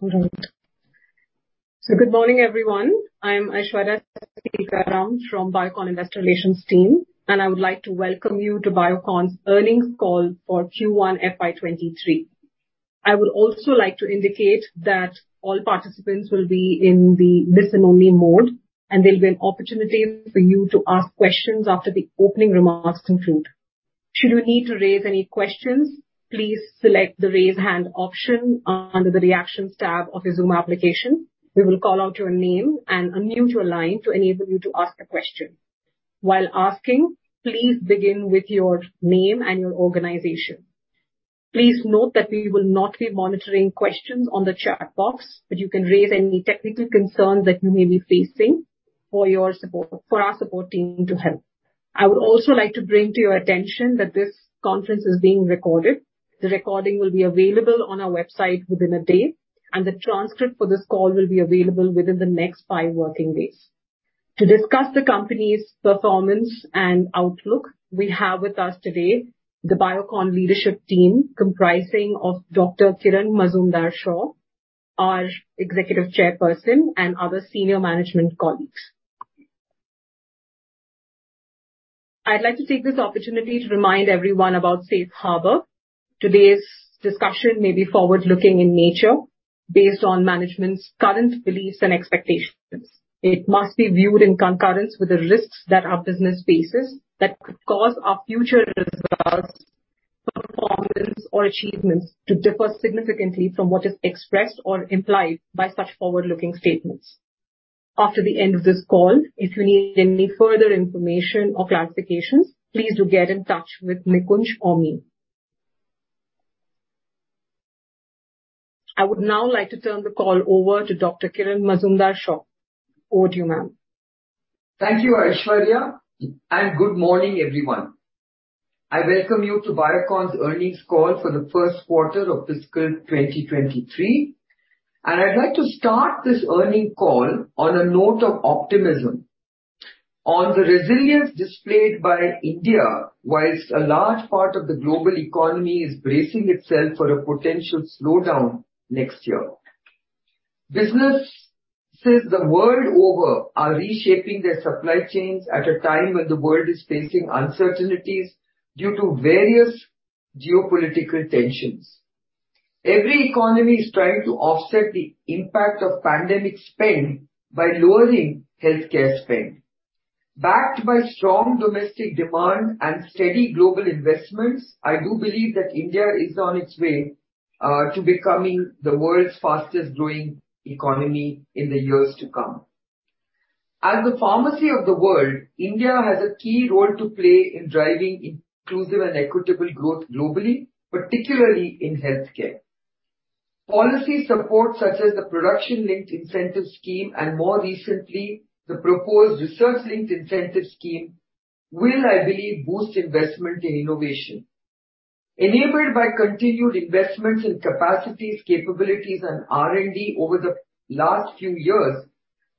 Good morning, everyone. I'm Aishwarya Sitharam from Biocon Investor Relations team, and I would like to welcome you to Biocon's earnings call for Q1 FY 2023. I would also like to indicate that all participants will be in the listen-only mode, and there'll be an opportunity for you to ask questions after the opening remarks conclude. Should you need to raise any questions, please select the Raise Hand option under the Reactions tab of your Zoom application. We will call out your name and unmute your line to enable you to ask a question. While asking, please begin with your name and your organization. Please note that we will not be monitoring questions on the chat box, but you can raise any technical concerns that you may be facing for our support team to help. I would also like to bring to your attention that this conference is being recorded. The recording will be available on our website within a day, and the transcript for this call will be available within the next five working days. To discuss the company's performance and outlook, we have with us today the Biocon leadership team comprising Dr. Kiran Mazumdar-Shaw, our Executive Chairperson, and other senior management colleagues. I'd like to take this opportunity to remind everyone about Safe Harbor. Today's discussion may be forward-looking in nature based on management's current beliefs and expectations. It must be viewed in conjunction with the risks that our business faces that could cause our future results, performance or achievements to differ significantly from what is expressed or implied by such forward-looking statements. After the end of this call, if you need any further information or clarifications, please do get in touch with Nikunj or me. I would now like to turn the call over to Dr. Kiran Mazumdar-Shaw. Over to you, ma'am. Thank you, Aishwarya, and good morning, everyone. I welcome you to Biocon's earnings call for the first quarter of fiscal 2023, and I'd like to start this earnings call on a note of optimism on the resilience displayed by India while a large part of the global economy is bracing itself for a potential slowdown next year. Businesses the world over are reshaping their supply chains at a time when the world is facing uncertainties due to various geopolitical tensions. Every economy is trying to offset the impact of pandemic spend by lowering healthcare spend. Backed by strong domestic demand and steady global investments, I do believe that India is on its way to becoming the world's fastest-growing economy in the years to come. As the pharmacy of the world, India has a key role to play in driving inclusive and equitable growth globally, particularly in healthcare. Policy support such as the Production-Linked Incentive scheme and more recently, the proposed Research-Linked Incentive scheme, will, I believe, boost investment in innovation. Enabled by continued investments in capacities, capabilities and R&D over the last few years,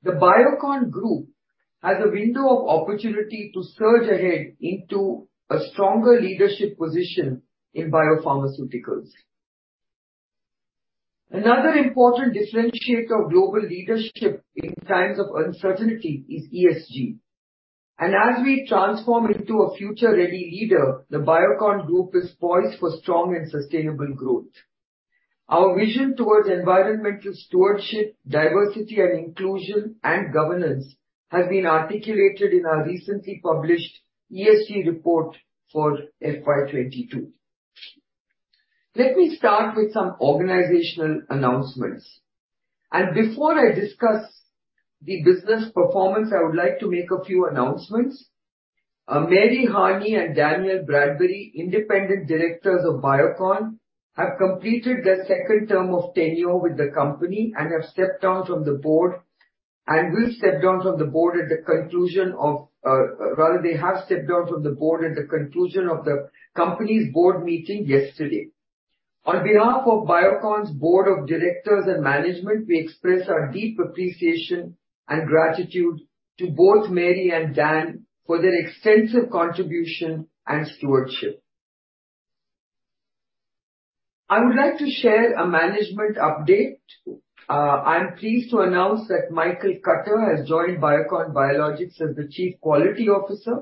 the Biocon Group has a window of opportunity to surge ahead into a stronger leadership position in biopharmaceuticals. Another important differentiator of global leadership in times of uncertainty is ESG. As we transform into a future-ready leader, the Biocon Group is poised for strong and sustainable growth. Our vision towards environmental stewardship, diversity and inclusion and governance has been articulated in our recently published ESG report for FY 2022. Let me start with some organizational announcements. Before I discuss the business performance, I would like to make a few announcements. Mary Harney and Daniel Bradbury, Independent Directors of Biocon, have completed their second term of tenure with the company and have stepped down from the board at the conclusion of the company's board meeting yesterday. On behalf of Biocon's Board of Directors and management, we express our deep appreciation and gratitude to both Mary and Dan for their extensive contribution and stewardship. I would like to share a management update. I'm pleased to announce that Michael Cutter has joined Biocon Biologics as the Chief Quality Officer.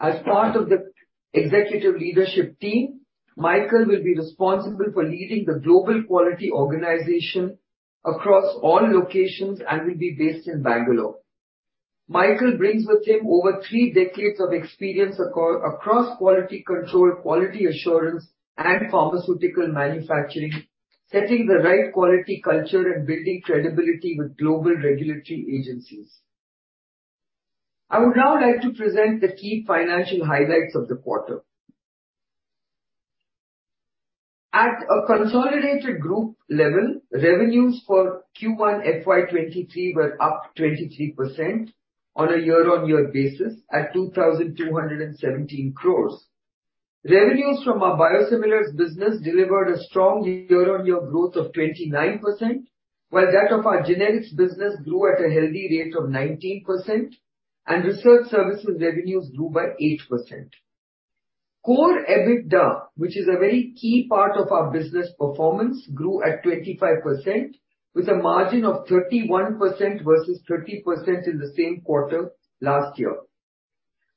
As part of the executive leadership team, Michael will be responsible for leading the global quality organization across all locations and will be based in Bangalore. Michael brings with him over three decades of experience occur... Across quality control, quality assurance and pharmaceutical manufacturing, setting the right quality culture and building credibility with global regulatory agencies. I would now like to present the key financial highlights of the quarter. At a consolidated group level, revenues for Q1 FY 2023 were up 23% on a year-on-year basis at 2,217 crores. Revenues from our biosimilars business delivered a strong year-on-year growth of 29%, while that of our generics business grew at a healthy rate of 19%. Research services revenues grew by 8%. Core EBITDA, which is a very key part of our business performance, grew at 25% with a margin of 31% versus 30% in the same quarter last year.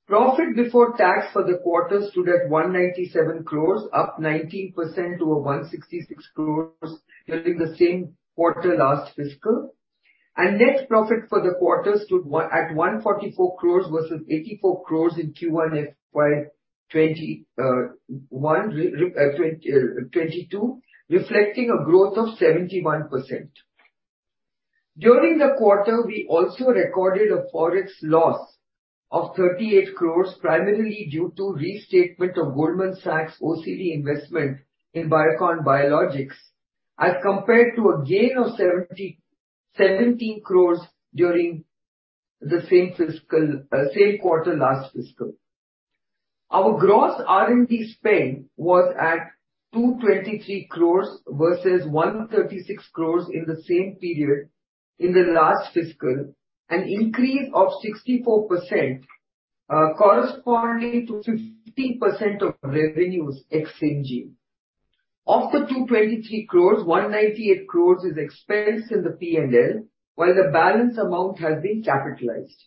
Profit before tax for the quarter stood at 197 crores, up 19% to 166 crores during the same quarter last fiscal. Net profit for the quarter stood at 144 crore versus 84 crore in Q1 FY 2022, reflecting a growth of 71%. During the quarter, we also recorded a Forex loss of 38 crore, primarily due to restatement of Goldman Sachs OCD investment in Biocon Biologics, as compared to a gain of 17 crore during the same quarter last fiscal. Our gross R&D spend was at 223 crore versus 136 crore in the same period in the last fiscal, an increase of 64%, corresponding to 15% of revenues ex-Syngene. Of the 223 crore, 198 crore is expensed in the P&L, while the balance amount has been capitalized.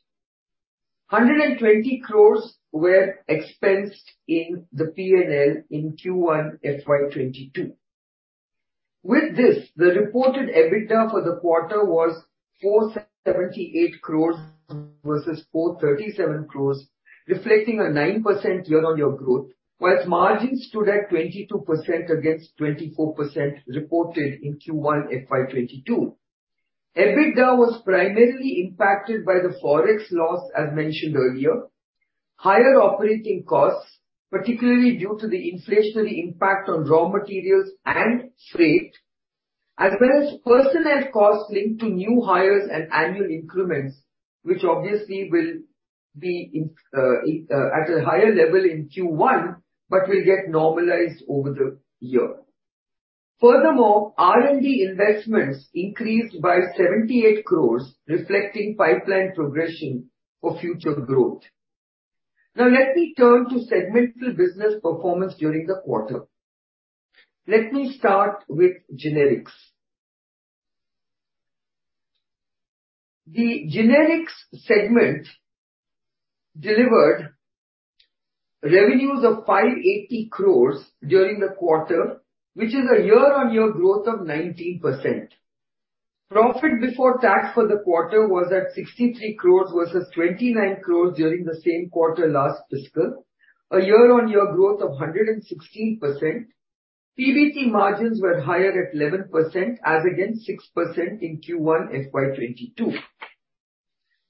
120 crore were expensed in the P&L in Q1 FY 2022. The reported EBITDA for the quarter was 478 crores versus 437 crores, reflecting a 9% year-on-year growth, whereas margin stood at 22% against 24% reported in Q1 FY 2022. EBITDA was primarily impacted by the Forex loss, as mentioned earlier, higher operating costs, particularly due to the inflationary impact on raw materials and freight, as well as personnel costs linked to new hires and annual increments, which obviously will be at a higher level in Q1, but will get normalized over the year. Furthermore, R&D investments increased by 78 crores, reflecting pipeline progression for future growth. Now let me turn to segmental business performance during the quarter. Let me start with generics. The generics segment delivered revenues of 580 crores during the quarter, which is a year-on-year growth of 19%. Profit before tax for the quarter was at 63 crore versus 29 crore during the same quarter last fiscal, a year-over-year growth of 116%. PBT margins were higher at 11% as against 6% in Q1 FY 2022.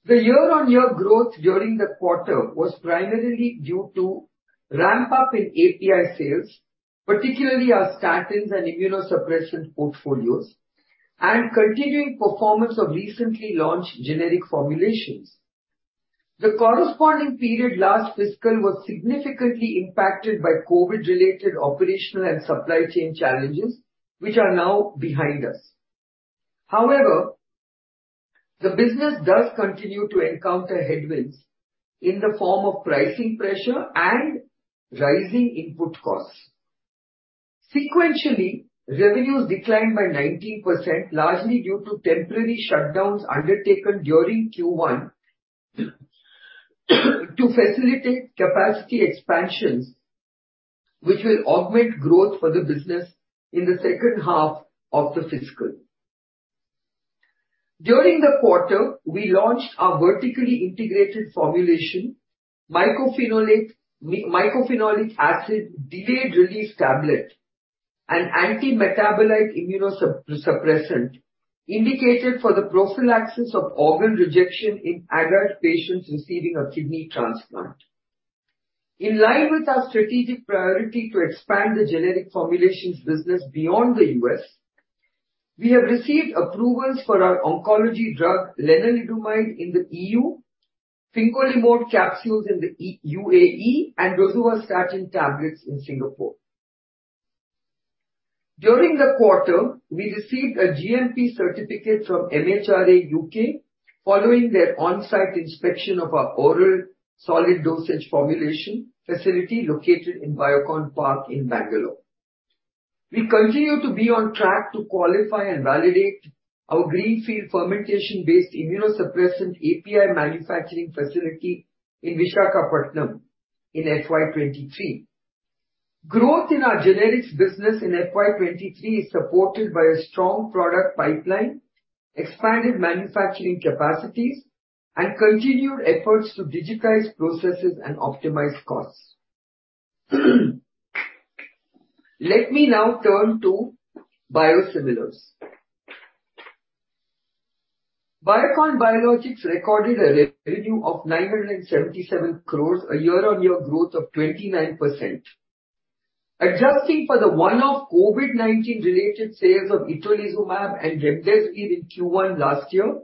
The year-over-year growth during the quarter was primarily due to ramp up in API sales, particularly our statins and immunosuppression portfolios, and continuing performance of recently launched generic formulations. The corresponding period last fiscal was significantly impacted by COVID-related operational and supply chain challenges, which are now behind us. However, the business does continue to encounter headwinds in the form of pricing pressure and rising input costs. Sequentially, revenues declined by 19%, largely due to temporary shutdowns undertaken during Q1 to facilitate capacity expansions, which will augment growth for the business in the second half of the fiscal. During the quarter, we launched our vertically integrated formulation, mycophenolic acid delayed release tablet and anti-metabolite immunosuppressant indicated for the prophylaxis of organ rejection in adult patients receiving a kidney transplant. In line with our strategic priority to expand the generic formulations business beyond the U.S., we have received approvals for our oncology drug, Lenalidomide, in the EU, Fingolimod capsules in the UAE, and Rosuvastatin tablets in Singapore. During the quarter, we received a GMP certificate from MHRA U.K. following their on-site inspection of our oral solid dosage formulation facility located in Biocon Park in Bangalore. We continue to be on track to qualify and validate our greenfield fermentation-based immunosuppressant API manufacturing facility in Visakhapatnam in FY 2023. Growth in our generics business in FY 2023 is supported by a strong product pipeline, expanded manufacturing capacities, and continued efforts to digitize processes and optimize costs. Let me now turn to biosimilars. Biocon Biologics recorded a revenue of 977 crore, a year-on-year growth of 29%. Adjusting for the one-off COVID-19 related sales of itolizumab and remdesivir in Q1 last year,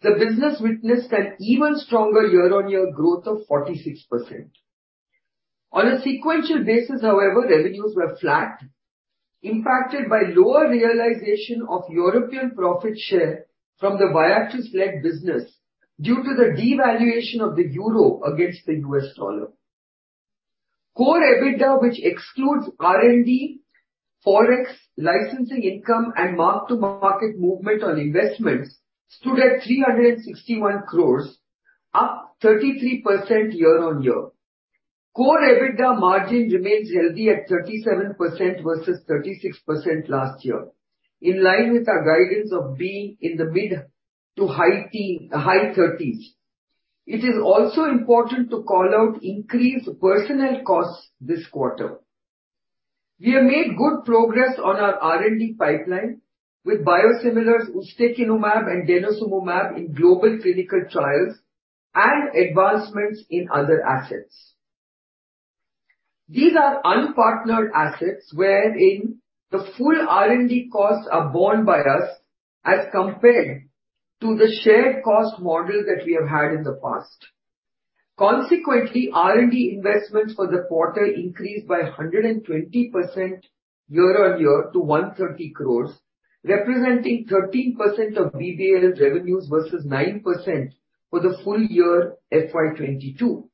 the business witnessed an even stronger year-on-year growth of 46%. On a sequential basis, however, revenues were flat, impacted by lower realization of European profit share from the Viatris-led business due to the devaluation of the euro against the U.S. dollar. Core EBITDA, which excludes R&D, forex, licensing income, and mark-to-market movement on investments, stood at 361 crore, up 33% year-on-year. Core EBITDA margin remains healthy at 37% versus 36% last year, in line with our guidance of being in the mid to high 30s. It is also important to call out increased personnel costs this quarter. We have made good progress on our R&D pipeline with biosimilars ustekinumab and denosumab in global clinical trials and advancements in other assets. These are unpartnered assets wherein the full R&D costs are borne by us as compared to the shared cost model that we have had in the past. Consequently, R&D investments for the quarter increased by 120% year-on-year to 130 crores, representing 13% of BBL's revenues versus 9% for the full-year FY 2022.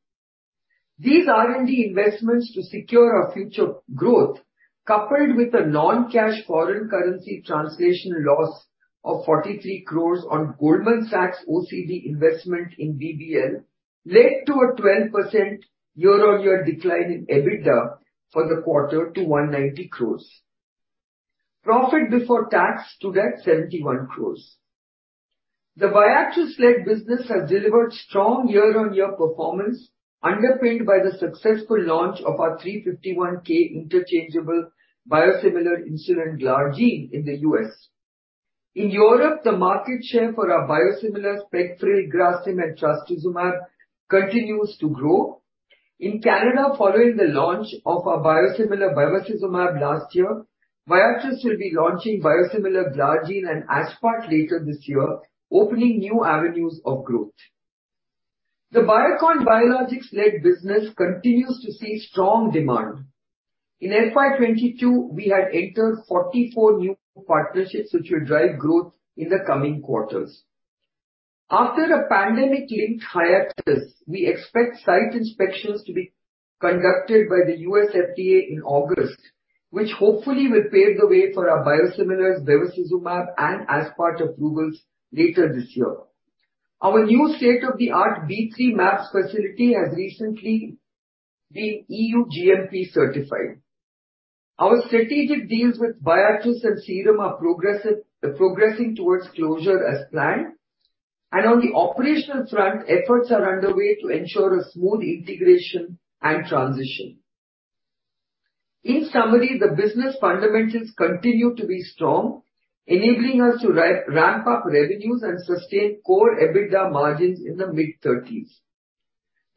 These R&D investments to secure our future growth, coupled with a non-cash foreign currency translation loss of 43 crores on Goldman Sachs OCD investment in BBL, led to a 12% year-on-year decline in EBITDA for the quarter to 190 crores. Profit before tax stood at 71 crores. The Viatris-led business has delivered strong year-on-year performance, underpinned by the successful launch of our 351(k) interchangeable biosimilar insulin glargine in the U.S. In Europe, the market share for our biosimilars pegfilgrastim and trastuzumab continues to grow. In Canada, following the launch of our biosimilar bevacizumab last year, Viatris will be launching biosimilar glargine and aspart later this year, opening new avenues of growth. The Biocon Biologics-led business continues to see strong demand. In FY 2022, we had entered 44 new partnerships which will drive growth in the coming quarters. After a pandemic-linked hiatus, we expect site inspections to be conducted by the U.S. FDA in August, which hopefully will pave the way for our biosimilars bevacizumab and aspart approvals later this year. Our new state-of-the-art B3 mAbs facility has recently been E.U. GMP certified. Our strategic deals with Viatris and Serum are progressing towards closure as planned. On the operational front, efforts are underway to ensure a smooth integration and transition. In summary, the business fundamentals continue to be strong, enabling us to ramp up revenues and sustain core EBITDA margins in the mid-30s%.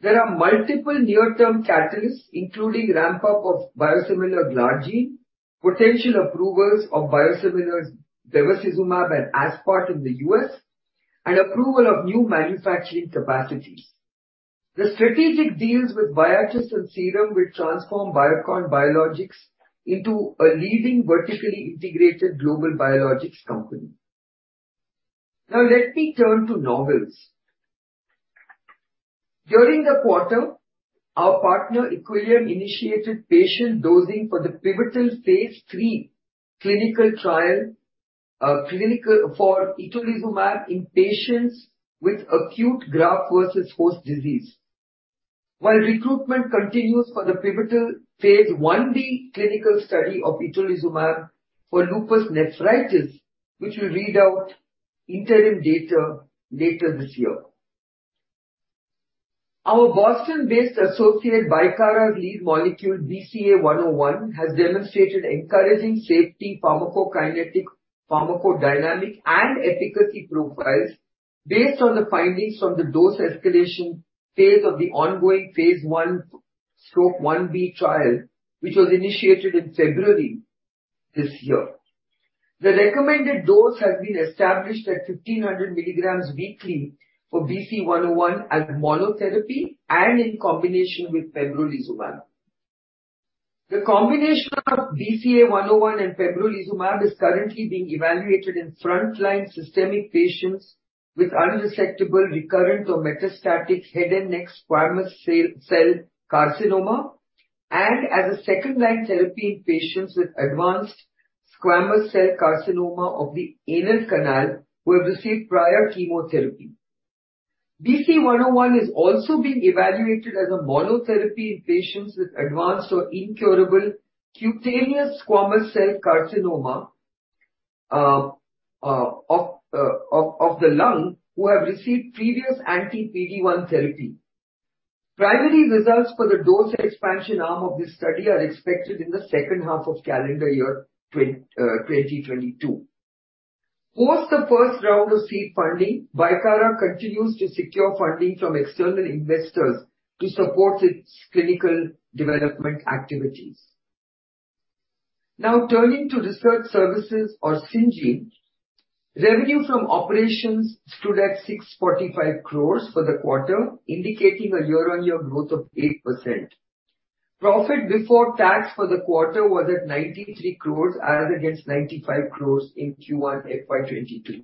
There are multiple near-term catalysts, including ramp-up of biosimilar glargine, potential approvals of biosimilars bevacizumab and aspart in the U.S., and approval of new manufacturing capacities. The strategic deals with Viatris and Serum will transform Biocon Biologics into a leading vertically integrated global biologics company. Now let me turn to novel. During the quarter, our partner Equillium initiated patient dosing for the pivotal phase III clinical trial for itolizumab in patients with acute graft versus host disease, while recruitment continues for the pivotal phase I-B clinical study of itolizumab for lupus nephritis, which will read out interim data later this year. Our Boston-based associate Bicara's lead molecule BCA101 has demonstrated encouraging safety pharmacokinetic, pharmacodynamic, and efficacy profiles based on the findings from the dose escalation phase of the ongoing phase I/I-B trial, which was initiated in February this year. The recommended dose has been established at 1,500 mg weekly for BCA101 as monotherapy and in combination with pembrolizumab. The combination of BCA101 and pembrolizumab is currently being evaluated in front line systemic patients with unresectable, recurrent, or metastatic head and neck squamous cell carcinoma and as a second-line therapy in patients with advanced squamous cell carcinoma of the anal canal who have received prior chemotherapy. BCA101 is also being evaluated as a monotherapy in patients with advanced or incurable cutaneous squamous cell carcinoma of the lung who have received previous anti-PD-1 therapy. Primary results for the dose expansion arm of this study are expected in the second half of calendar year 2022. Post the first round of seed funding, Bicara continues to secure funding from external investors to support its clinical development activities. Now turning to research services, our Syngene. Revenue from operations stood at 645 crores for the quarter, indicating a year-on-year growth of 8%. Profit before tax for the quarter was at 93 crores as against 95 crores in Q1 FY 2022.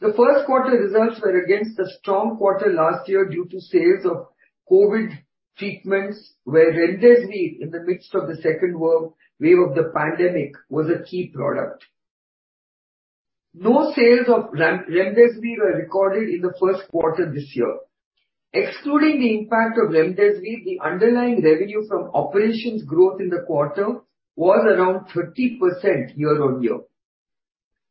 The first quarter results were against a strong quarter last year due to sales of COVID treatments, where remdesivir, in the midst of the second wave of the pandemic, was a key product. No sales of remdesivir were recorded in the first quarter this year. Excluding the impact of remdesivir, the underlying revenue from operations growth in the quarter was around 30% year-on-year.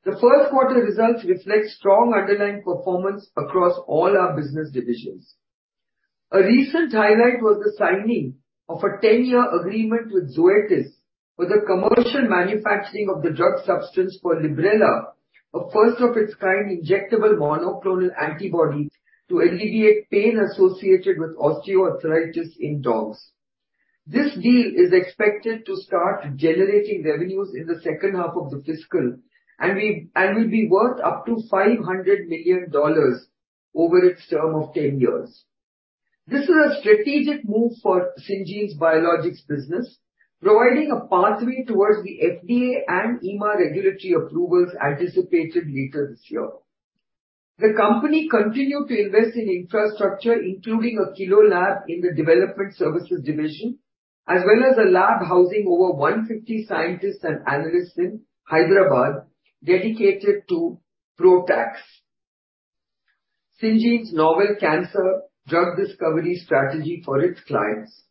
The first quarter results reflect strong underlying performance across all our business divisions. A recent highlight was the signing of a 10-year agreement with Zoetis for the commercial manufacturing of the drug substance for Librela, a first of its kind injectable monoclonal antibody to alleviate pain associated with osteoarthritis in dogs. This deal is expected to start generating revenues in the second half of the fiscal year and will be worth up to $500 million over its term of 10 years. This is a strategic move for Syngene's biologics business, providing a pathway towards the FDA and EMA regulatory approvals anticipated later this year. The company continued to invest in infrastructure, including a kilo lab in the development services division, as well as a lab housing over 150 scientists and analysts in Hyderabad dedicated to PROTACs, Syngene's novel cancer drug discovery strategy for its clients.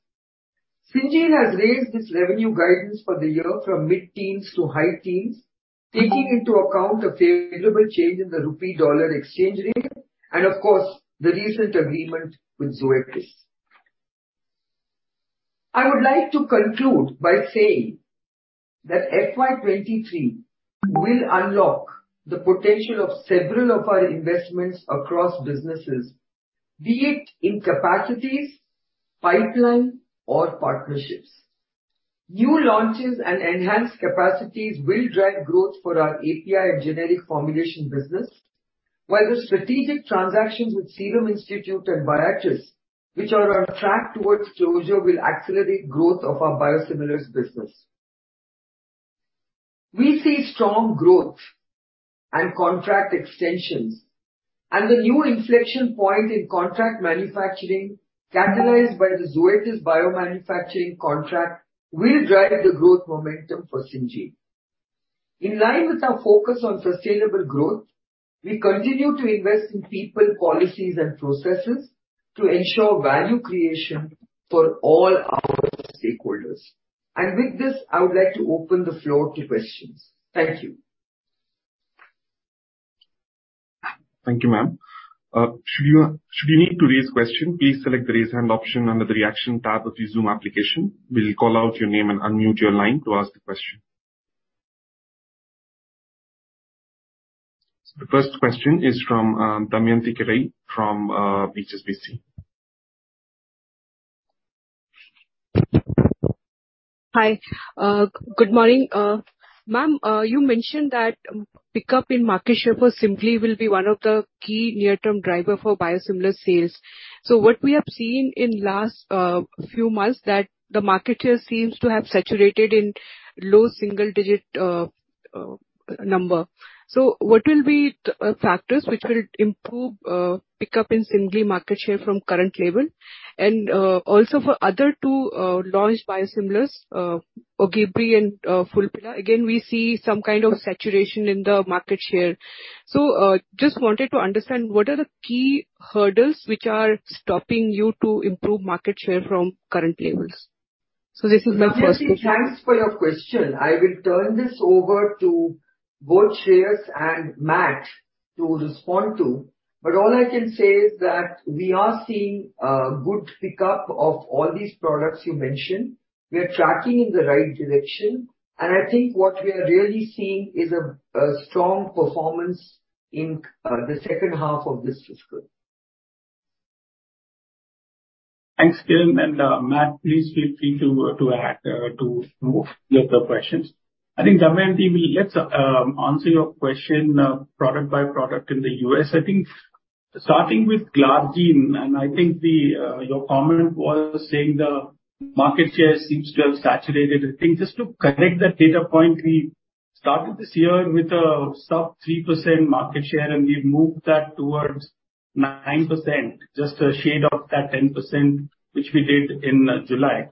Syngene has raised its revenue guidance for the year from mid-teens to high teens, taking into account a favorable change in the rupee dollar exchange rate and of course, the recent agreement with Zoetis. I would like to conclude by saying that FY 2023 will unlock the potential of several of our investments across businesses, be it in capacities, pipeline or partnerships. New launches and enhanced capacities will drive growth for our API and generic formulation business. While the strategic transactions with Serum Institute and Viatris, which are on track towards closure, will accelerate growth of our biosimilars business. We see strong growth and contract extensions, and the new inflection point in contract manufacturing, catalyzed by the Zoetis biomanufacturing contract, will drive the growth momentum for Syngene. In line with our focus on sustainable growth, we continue to invest in people, policies and processes to ensure value creation for all our stakeholders. With this, I would like to open the floor to questions. Thank you. Thank you, ma'am. Should you need to raise question, please select the Raise Hand option under the Reaction tab of your Zoom application. We'll call out your name and unmute your line to ask the question. The first question is from Damayanti Kerai from HSBC. Hi. Good morning. Ma'am, you mentioned that pickup in market share for Semglee will be one of the key near-term driver for biosimilar sales. What we have seen in last few months that the market share seems to have saturated in low single digit number. What will be factors which will improve pickup in Semglee market share from current level and also for other two launched biosimilars, Ogivri and Fulphila. Again, we see some kind of saturation in the market share. Just wanted to understand what are the key hurdles which are stopping you to improve market share from current levels? Damayanti, thanks for your question. I will turn this over to both Shreehas and Matt to respond to, but all I can say is that we are seeing good pickup of all these products you mentioned. We are tracking in the right direction, and I think what we are really seeing is a strong performance in the second half of this fiscal. Thanks, Kiran, and Matt, please feel free to add to most of the questions. I think, Damayanti, we'll just answer your question product by product in the U.S. I think starting with glargine, and I think your comment was saying the market share seems to have saturated. I think just to correct that data point, we started this year with a sub-3% market share and we've moved that towards 9%, just a shade of that 10% which we did in July.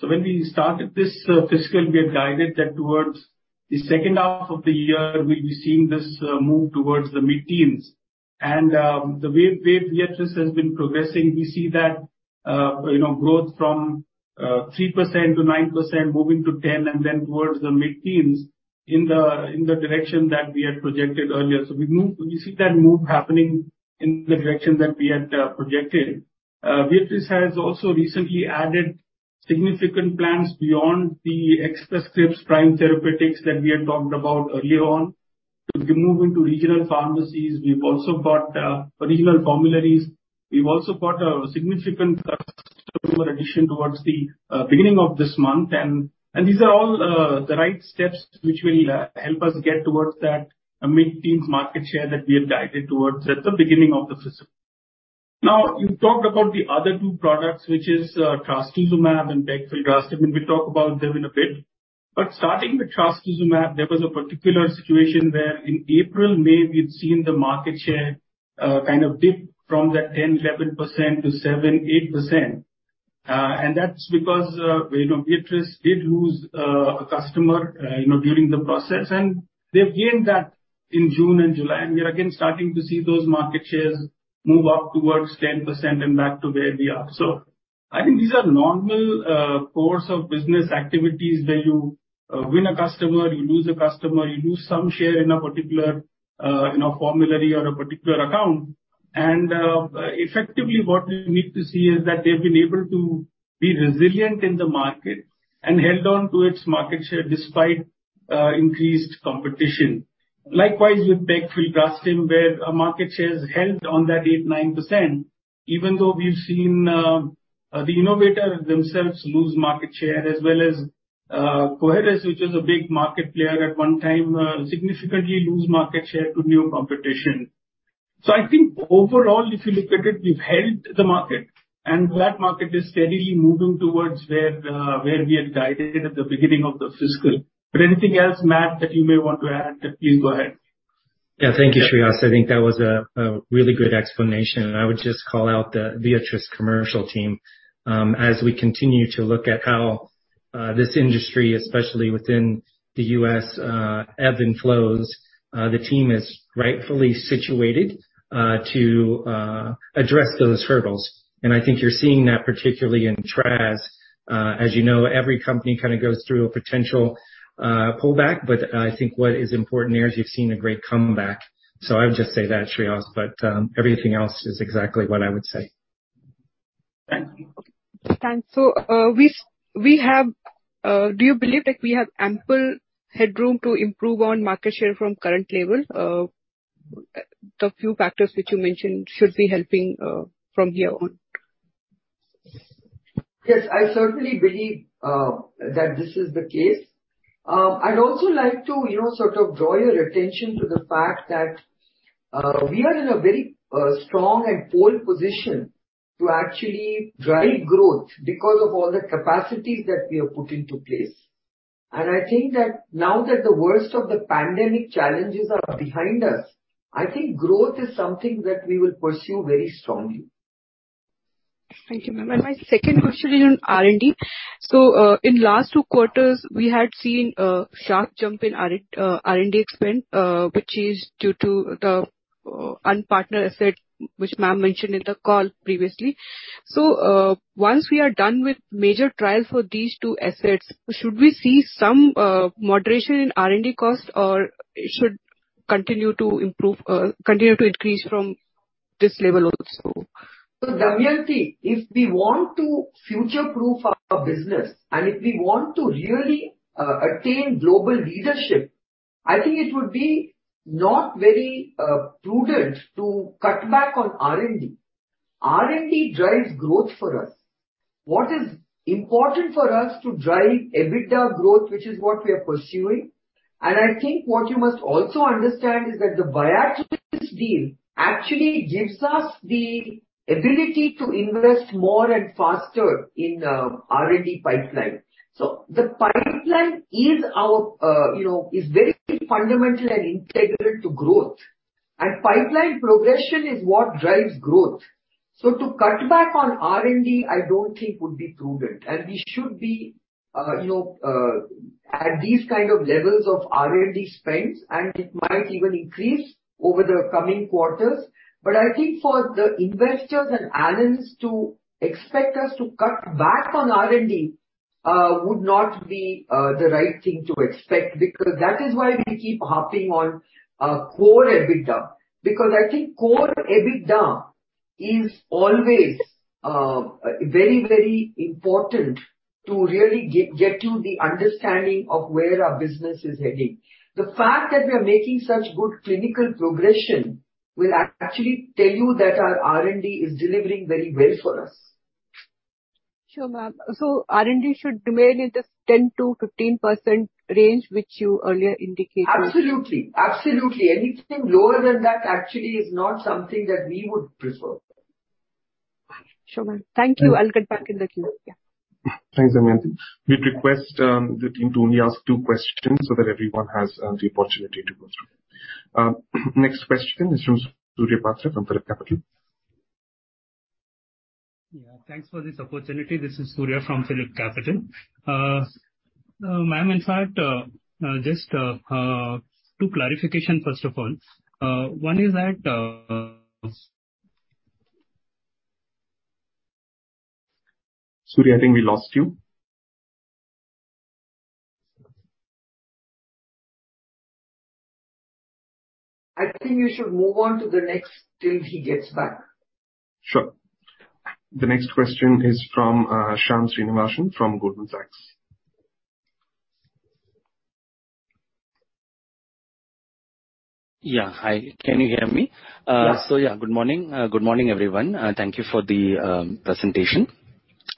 When we started this fiscal, we had guided that towards the second half of the year, we'll be seeing this move towards the mid-teens. The way Viatris has been progressing, we see that, you know, growth from 3% to 9% moving to 10% and then towards the mid-teens in the direction that we had projected earlier. We've moved. We see that move happening in the direction that we had projected. Viatris has also recently added significant plans beyond the Express Scripts, Prime Therapeutics that we had talked about earlier on. To be moving to regional pharmacies, we've also got regional formularies. We've also got a significant addition towards the beginning of this month. These are all the right steps which will help us get towards that mid-teens market share that we have guided towards at the beginning of the fiscal. Now, you talked about the other two products, which is trastuzumab and pegfilgrastim, and we talk about them in a bit. Starting with trastuzumab, there was a particular situation where in April, May, we'd seen the market share kind of dip from that 10%-11% to 7%-8%. And that's because, you know, Viatris did lose a customer, you know, during the process. They've gained that in June and July, and we are again starting to see those market shares move up towards 10% and back to where we are. I think these are normal course of business activities where you win a customer, you lose a customer, you lose some share in a particular you know formulary or a particular account. Effectively what we need to see is that they've been able to be resilient in the market and held on to its market share despite increased competition. Likewise, with pegfilgrastim where our market share has held on that 8%, 9%, even though we've seen the innovator themselves lose market share, as well as Coherus, which was a big market player at one time significantly lose market share to new competition. I think overall, if you look at it, we've held the market, and that market is steadily moving towards where we had guided at the beginning of the fiscal. Anything else, Matt, that you may want to add, please go ahead. Yeah. Thank you, Shreehas. I think that was a really good explanation, and I would just call out the Viatris commercial team. As we continue to look at how this industry, especially within the U.S., ebb and flows, the team is rightfully situated to address those hurdles. I think you're seeing that particularly in trastuzumab. As you know, every company kinda goes through a potential pullback, but I think what is important there is you've seen a great comeback. I would just say that, Shreehas, but everything else is exactly what I would say. Thanks. Do you believe that we have ample headroom to improve on market share from current level? The few factors which you mentioned should be helping from here on. Yes, I certainly believe that this is the case. I'd also like to, you know, sort of draw your attention to the fact that we are in a very strong and pole position to actually drive growth because of all the capacities that we have put into place. I think that now that the worst of the pandemic challenges are behind us, I think growth is something that we will pursue very strongly. Thank you, ma'am. My second question is on R&D. In last two quarters, we had seen a sharp jump in R&D spend, which is due to the unpartnered asset, which ma'am mentioned in the call previously. Once we are done with major trial for these two assets, should we see some moderation in R&D costs, or it should continue to improve, continue to increase from this level also? Damayanti, if we want to future-proof our business and if we want to really attain global leadership, I think it would be not very prudent to cut back on R&D. R&D drives growth for us. What is important for us to drive EBITDA growth, which is what we are pursuing, and I think what you must also understand is that the Viatris' deal actually gives us the ability to invest more and faster in R&D pipeline. The pipeline is our you know is very fundamental and integral to growth. Pipeline progression is what drives growth. To cut back on R&D, I don't think would be prudent. We should be you know at these kind of levels of R&D spends, and it might even increase over the coming quarters. I think for the investors and analysts to expect us to cut back on R&D, would not be, the right thing to expect. Because that is why we keep harping on, core EBITDA. Because I think core EBITDA is always, very, very important to really get you the understanding of where our business is heading. The fact that we are making such good clinical progression will actually tell you that our R&D is delivering very well for us. Sure, ma'am. R&D should remain in this 10%-15% range which you earlier indicated. Absolutely. Anything lower than that actually is not something that we would prefer. Sure, ma'am. Thank you. I'll get back in the queue. Yeah. Thanks, Damayanti. We request the team to only ask two questions so that everyone has the opportunity to go through. Next question is from Surya Patra from PhillipCapital. Yeah. Thanks for this opportunity. This is Surya from PhillipCapital. Ma'am, in fact, just two clarifications, first of all. One is that... Surya, I think we lost you. I think we should move on to the next till he gets back. Sure. The next question is from Shyam Srinivasan from Goldman Sachs. Yeah. Hi. Can you hear me? Yeah. Yeah. Good morning. Good morning, everyone. Thank you for the presentation.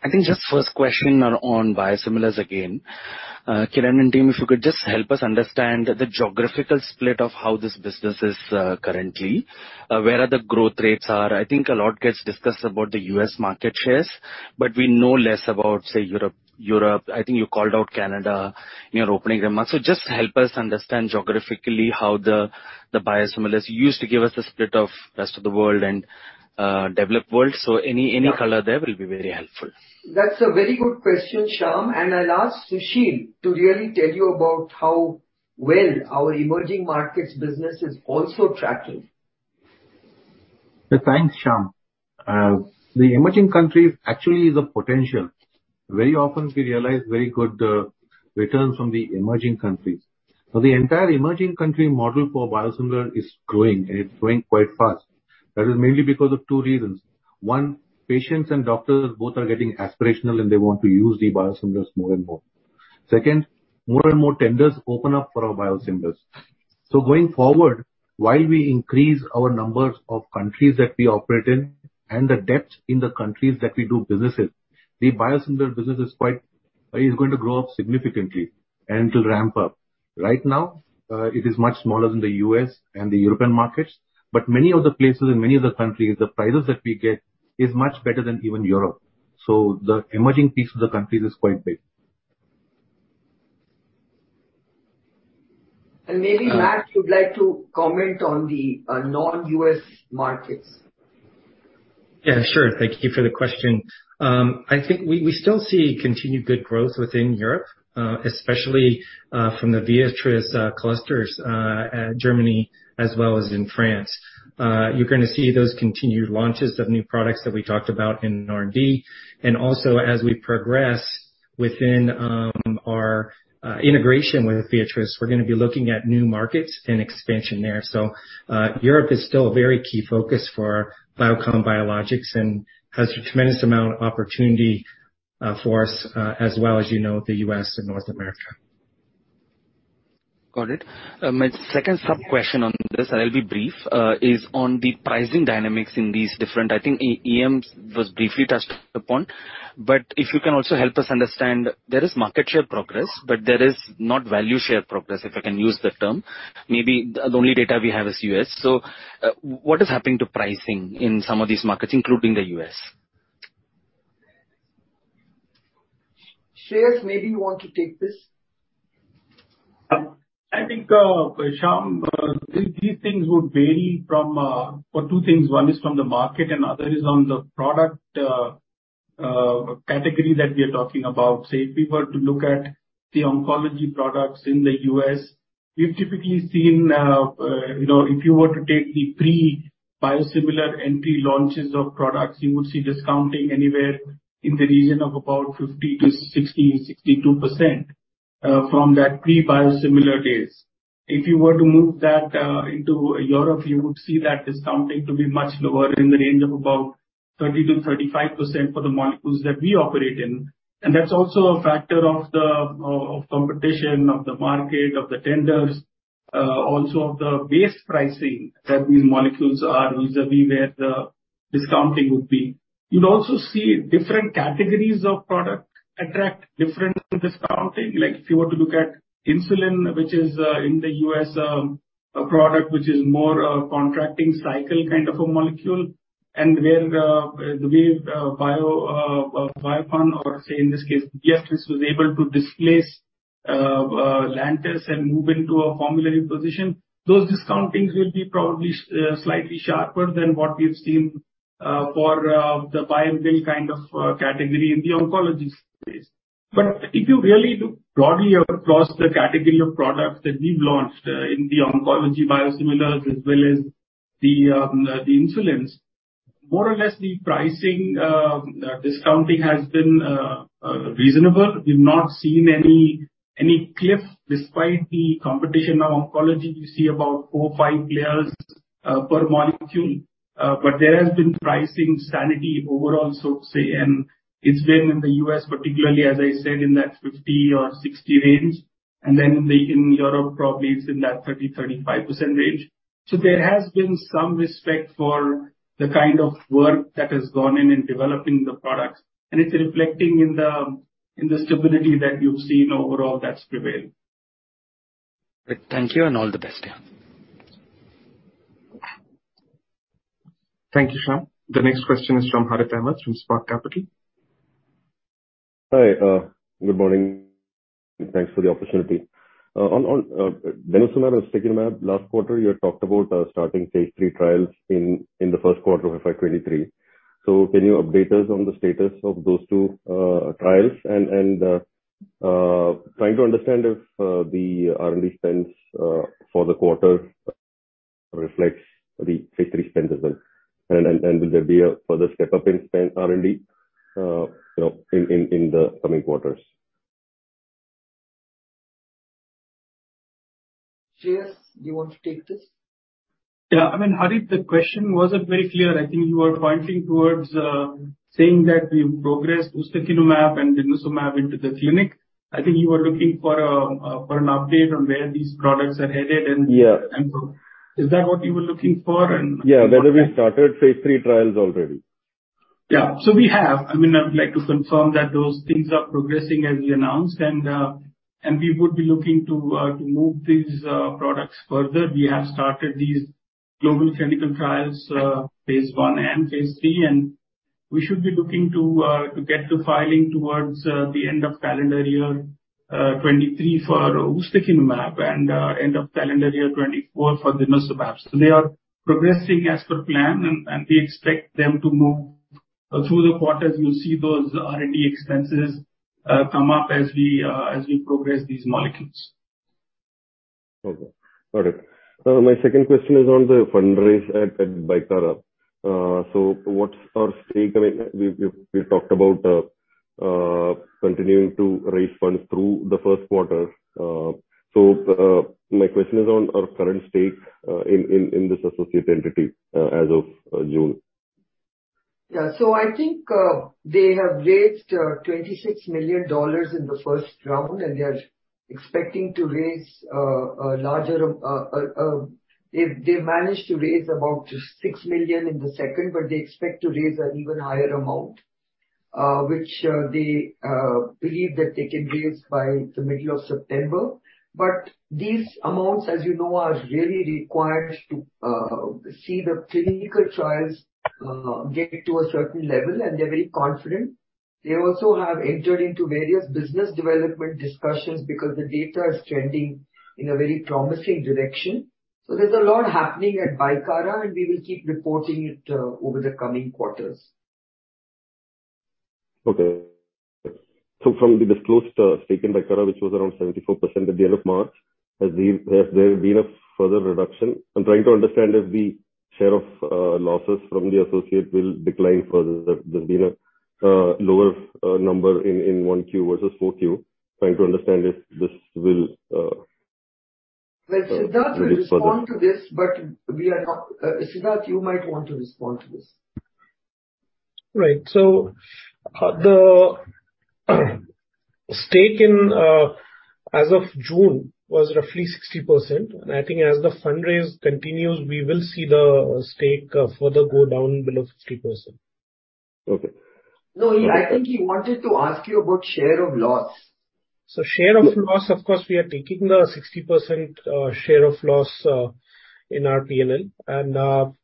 I think just first question are on biosimilars again. Kiran and team, if you could just help us understand the geographical split of how this business is currently. Where are the growth rates. I think a lot gets discussed about the U.S. market shares, but we know less about, say, Europe. I think you called out Canada in your opening remarks. Just help us understand geographically how the biosimilars. You used to give us a split of rest of the world and developed world, so any color there will be very helpful. That's a very good question, Shyam, and I'll ask Susheel to really tell you about how well our emerging markets business is also tracking. Yeah, thanks, Shyam. The emerging countries actually is a potential. Very often we realize very good returns from the emerging countries. The entire emerging country model for biosimilar is growing, and it's growing quite fast. That is mainly because of two reasons. One, patients and doctors both are getting aspirational, and they want to use the biosimilars more and more. Second, more and more tenders open up for our biosimilars. Going forward, while we increase our numbers of countries that we operate in and the depth in the countries that we do businesses, the biosimilar business is going to grow up significantly and to ramp up. Right now, it is much smaller than the U.S. and the European markets, but many of the places and many of the countries, the prices that we get is much better than even Europe. The emerging piece of the countries is quite big. Maybe Matt would like to comment on the non-U.S. markets. Yeah, sure. Thank you for the question. I think we still see continued good growth within Europe, especially from the Viatris clusters, Germany as well as in France. You're gonna see those continued launches of new products that we talked about in R&D. As we progress within our integration with Viatris, we're gonna be looking at new markets and expansion there. Europe is still a very key focus for Biocon Biologics and has a tremendous amount of opportunity for us, as well as you know the U.S. and North America. Got it. My second sub question on this, and I'll be brief, is on the pricing dynamics in these different I think EMs was briefly touched upon. If you can also help us understand, there is market share progress, but there is not value share progress, if I can use the term. Maybe the only data we have is U.S. What is happening to pricing in some of these markets, including the U.S.? Shreehas, maybe you want to take this. I think, Shyam, these things would vary from for two things. One is from the market and other is on the product category that we are talking about. Say if we were to look at the oncology products in the U.S., we've typically seen, you know, if you were to take the pre-biosimilar and pre-launches of products, you would see discounting anywhere in the region of about 50%-62% from that pre-biosimilar days. If you were to move that into Europe, you would see that discounting to be much lower in the range of about 30%-35% for the molecules that we operate in. That's also a factor of the competition of the market, of the tenders, also of the base pricing that these molecules are vis-à-vis where the discounting would be. You'd also see different categories of product attract different discounting. Like if you were to look at insulin, which is in the U.S., a product which is more a contracting cycle kind of a molecule and where the way Biocon or say in this case Viatris was able to displace Lantus and move into a formulary position. Those discountings will be probably slightly sharper than what we've seen for the buy-and-bill kind of category in the oncology space. If you really look broadly across the category of products that we've launched in the oncology biosimilars as well as the insulins, more or less the pricing discounting has been reasonable. We've not seen any cliff. Despite the competition of oncology, you see about four or five players per molecule. There has been pricing sanity overall, so to say, and it's been in the U.S. particularly, as I said, in that 50 or 60 range. Then in Europe probably it's in that 30-35% range. There has been some respect for the kind of work that has gone in in developing the products, and it's reflecting in the stability that you've seen overall that's prevailed. Thank you, and all the best. Thank you, Shyam. The next question is from Harith Ahamed from Spark Capital. Hi. Good morning, and thanks for the opportunity. On denosumab and ustekinumab, last quarter you had talked about starting phase III trials in the first quarter of FY 2023. Can you update us on the status of those two trials? Trying to understand if the R&D spends for the quarter reflects the phase III spend as well. Will there be a further step-up in R&D spend, you know, in the coming quarters? Shreehas, do you want to take this? I mean, Harith, the question wasn't very clear. I think you were pointing towards saying that we've progressed ustekinumab and denosumab into the clinic. I think you were looking for an update on where these products are headed and Yeah. Is that what you were looking for? Yeah. Whether we started phase III trials already? Yeah. We have. I mean, I would like to confirm that those things are progressing as we announced and we would be looking to move these products further. We have started these global clinical trials, phase I and phase III, and we should be looking to get to filing towards the end of calendar year 2023 for ustekinumab and end of calendar year 2024 for denosumab. They are progressing as per plan and we expect them to move through the quarters. You'll see those R&D expenses come up as we progress these molecules. Okay. Got it. My second question is on the fundraise at Bicara. What's our stake? I mean, we've talked about continuing to raise funds through the first quarter. My question is on our current stake in this associate entity as of June. Yeah. I think they have raised $26 million in the first round, and they are expecting to raise a larger amount. They've managed to raise about $6 million in the second, but they expect to raise an even higher amount, which they believe that they can raise by the middle of September. These amounts, as you know, are really required to see the clinical trials get to a certain level, and they're very confident. They also have entered into various business development discussions because the data is trending in a very promising direction. There's a lot happening at Bicara, and we will keep reporting it over the coming quarters. Okay. From the disclosed stake in Bicara, which was around 74% at the end of March, has there been a further reduction? I'm trying to understand if the share of losses from the associate will decline further. There's been a lower number in 1Q versus 4Q. Trying to understand if this will reduce further. Well, Siddharth will respond to this. Siddharth, you might want to respond to this. Right. The stake in, as of June was roughly 60%. I think as the fundraise continues, we will see the stake further go down below 60%. Okay. No, I think he wanted to ask you about share of loss. Share of loss, of course, we are taking the 60% share of loss in our P&L.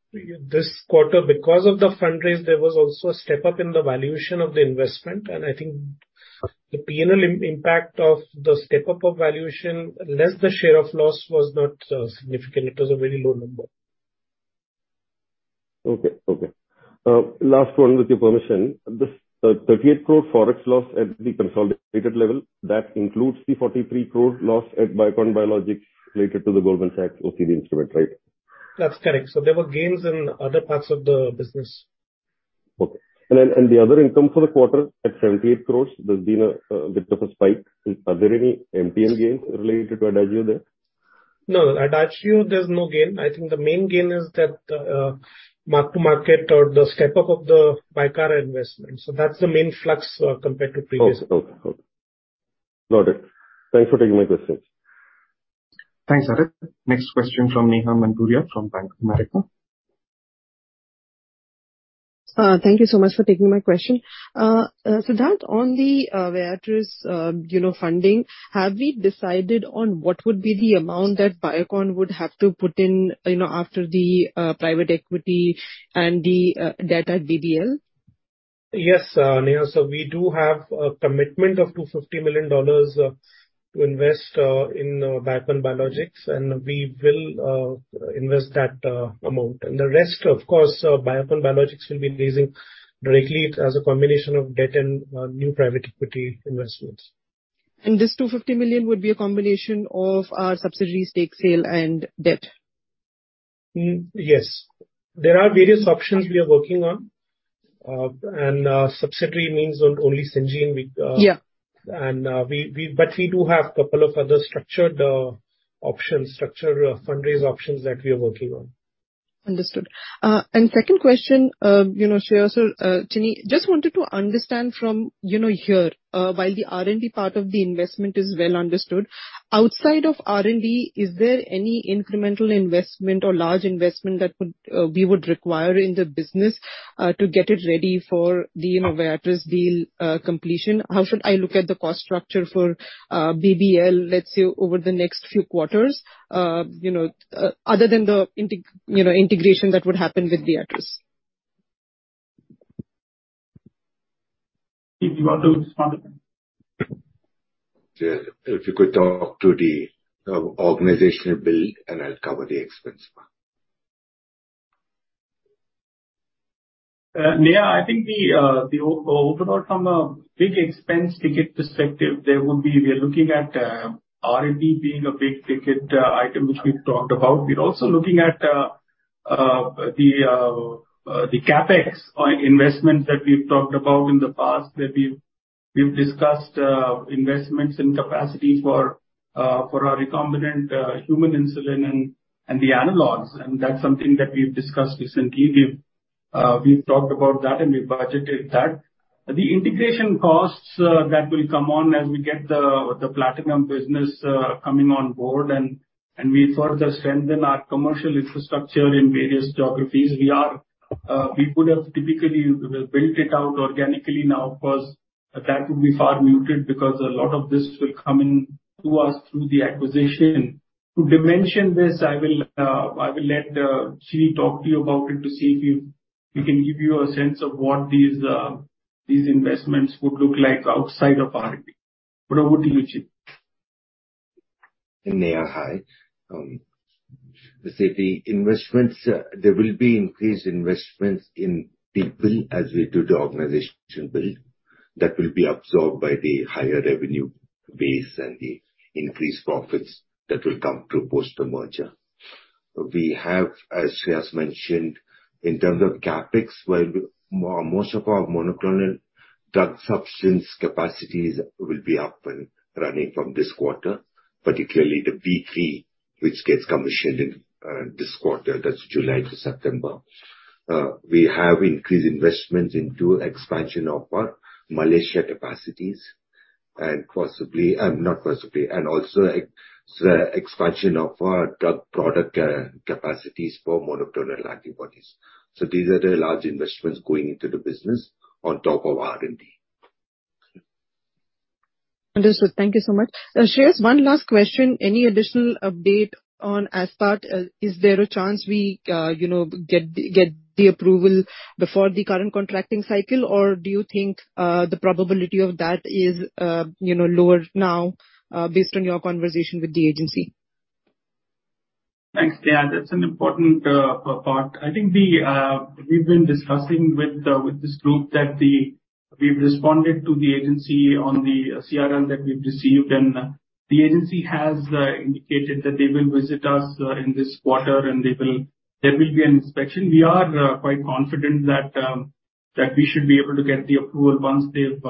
This quarter, because of the fundraise, there was also a step-up in the valuation of the investment. I think the P&L impact of the step-up of valuation, less the share of loss was not significant. It was a very low number. Last one with your permission. The 38 crore forex loss at the consolidated level, that includes the 43 crore loss at Biocon Biologics related to the Goldman Sachs OCD instrument, right? That's correct. There were gains in other parts of the business. The other income for the quarter at 78 crores, there's been a bit of a spike. Are there any MTM gains related to Adagio there? No, Adagio, there's no gain. I think the main gain is that mark-to-market or the step-up of the Bicara investment. That's the main flux compared to previous. Okay. Got it. Thanks for taking my questions. Thanks, Harith. Next question from Neha Manpuria from Bank of America. Thank you so much for taking my question. Siddharth, on the Viatris funding, have we decided on what would be the amount that Biocon would have to put in, you know, after the private equity and the debt deal? Yes, Neha. We do have a commitment of $250 million to invest in Biocon Biologics, and we will invest that amount. The rest, of course, Biocon Biologics will be raising directly as a combination of debt and new private equity investments. This $250 million would be a combination of our subsidiary stake sale and debt. Yes. There are various options we are working on. Subsidiary means not only Syngene, Yeah. but we do have couple of other structured fundraise options that we are working on. Understood. Second question, you know, Shreehas or Chinni, just wanted to understand from, you know, here, while the R&D part of the investment is well understood, outside of R&D, is there any incremental investment or large investment that we would require in the business to get it ready for the, you know, Viatris deal completion? How should I look at the cost structure for BBL, let's say, over the next few quarters? You know, other than the integration that would happen with Viatris. Chinni, do you want to respond to this? Yeah. If you could talk to the organizational build, and I'll cover the expense part. Neha, I think the overall from a big expense ticket perspective, there will be. We are looking at R&D being a big ticket item, which we've talked about. We're also looking at The CapEx on investments that we've talked about in the past, that we've discussed, investments in capacity for our recombinant human insulin and the analogs, and that's something that we've discussed recently. We've talked about that, and we've budgeted that. The integration costs that will come on as we get the platinum business coming on board and we further strengthen our commercial infrastructure in various geographies. We could have typically built it out organically. Now, of course, that would be far muted because a lot of this will come in to us through the acquisition. To dimension this, I will let Chinni talk to you about it to see if he can give you a sense of what these investments would look like outside of R&D. Over to you, Chinni. They are high. Let's say the investments, there will be increased investments in people as we do the organization build that will be absorbed by the higher revenue base and the increased profits that will come through post the merger. We have, as Shreehas mentioned, in terms of CapEx, well, most of our monoclonal drug substance capacities will be up and running from this quarter, particularly the B3, which gets commissioned in this quarter. That's July to September. We have increased investments into expansion of our Malaysia capacities and possibly. Not possibly. Also expansion of our drug product capacities for monoclonal antibodies. These are the large investments going into the business on top of R&D. Understood. Thank you so much. Shreehas, one last question. Any additional update on Aspart? Is there a chance we, you know, get the approval before the current contracting cycle, or do you think the probability of that is, you know, lower now, based on your conversation with the agency? Thanks, Neha. That's an important part. I think we've been discussing with this group that we've responded to the agency on the CRL that we've received, and the agency has indicated that they will visit us in this quarter, and there will be an inspection. We are quite confident that we should be able to get the approval once they've